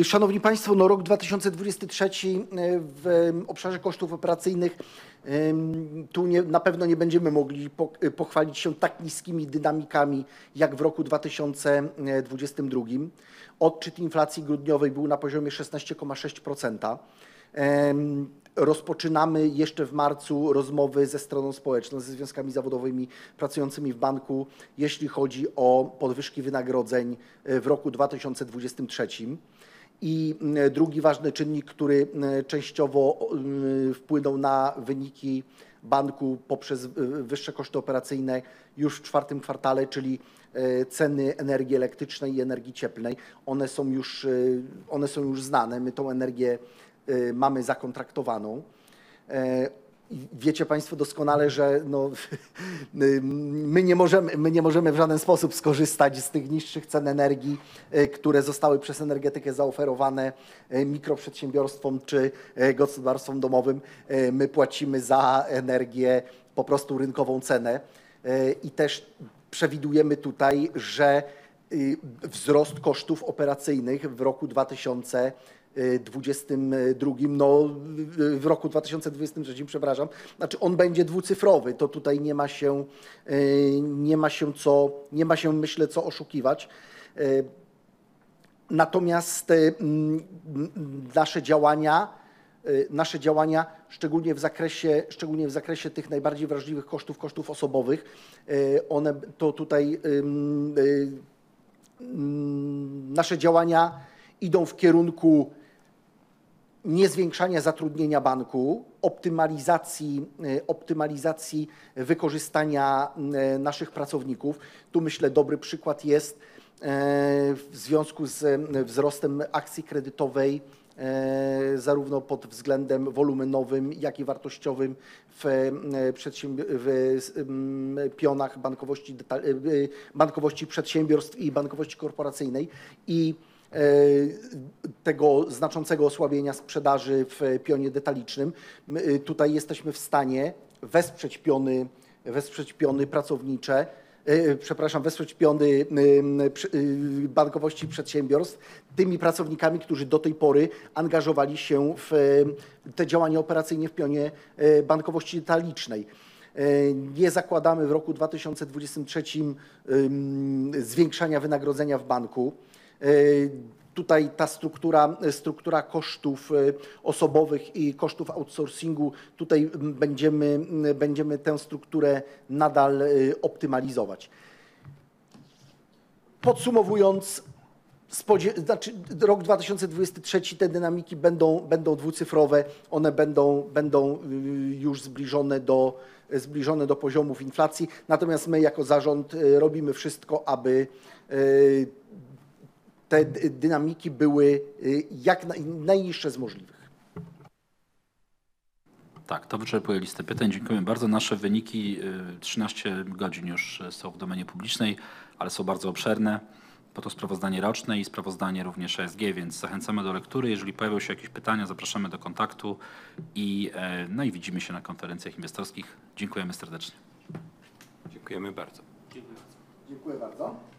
Speaker 4: Szanowni państwo, no rok 2023, w obszarze kosztów operacyjnych, na pewno nie będziemy mogli pochwalić się tak niskimi dynamikami, jak w roku 2022. Odczyt inflacji grudniowej był na poziomie 16.6%. Rozpoczynamy jeszcze w marcu rozmowy ze stroną społeczną, ze związkami zawodowymi pracującymi w banku. Jeśli chodzi o podwyżki wynagrodzeń w roku 2023. Drugi ważny czynnik, który częściowo wpłynął na wyniki banku poprzez wyższe koszty operacyjne już w czwartym kwartale, czyli ceny energii elektrycznej i energii cieplnej. One są już znane. My tą energię mamy zakontraktowaną. Wiecie państwo doskonale, że, no, my nie możemy w żaden sposób skorzystać z tych niższych cen energii, które zostały przez energetykę zaoferowane mikroprzedsiębiorstwom czy gospodarstwom domowym. My płacimy za energię po prostu rynkową cenę. Też przewidujemy tutaj, że wzrost kosztów operacyjnych w roku 2022, w roku 2023, przepraszam. On będzie dwucyfrowy, to tutaj nie ma się, myślę, co oszukiwać. Natomiast nasze działania szczególnie w zakresie tych najbardziej wrażliwych kosztów osobowych. One, to tutaj, nasze działania idą w kierunku niezwiększania zatrudnienia banku, optymalizacji wykorzystania naszych pracowników. Tu myślę dobry przykład jest w związku ze wzrostem akcji kredytowej, zarówno pod względem wolumenowym, jak i wartościowym w pionach bankowości przedsiębiorstw i bankowości korporacyjnej. Tego znaczącego osłabienia sprzedaży w pionie detalicznym. My tutaj jesteśmy w stanie wesprzeć piony pracownicze. Przepraszam. Wesprzeć piony bankowości przedsiębiorstw tymi pracownikami, którzy do tej pory angażowali się w te działania operacyjne w pionie bankowości detalicznej. Nie zakładamy w roku 2023 zwiększania wynagrodzenia w banku. Tutaj ta struktura kosztów osobowych i kosztów outsourcingu. Tutaj będziemy tę strukturę nadal optymalizować. Podsumowując. Rok 2023. Te dynamiki będą dwucyfrowe. One będą już zbliżone do poziomów inflacji. Natomiast my jako zarząd robimy wszystko, aby te dynamiki były jak najniższe z możliwych.
Speaker 1: To wyczerpuje listę pytań. Dziękujemy bardzo. Nasze wyniki, 13 godzin już są w domenie publicznej, ale są bardzo obszerne, bo to sprawozdanie roczne i sprawozdanie również ESG, więc zachęcamy do lektury. Pojawią się jakieś pytania, zapraszamy do kontaktu i, no i widzimy się na konferencjach inwestorskich. Dziękujemy serdecznie.
Speaker 4: Dziękujemy bardzo.
Speaker 5: Dziękuję bardzo.
Speaker 4: Dziękuję bardzo.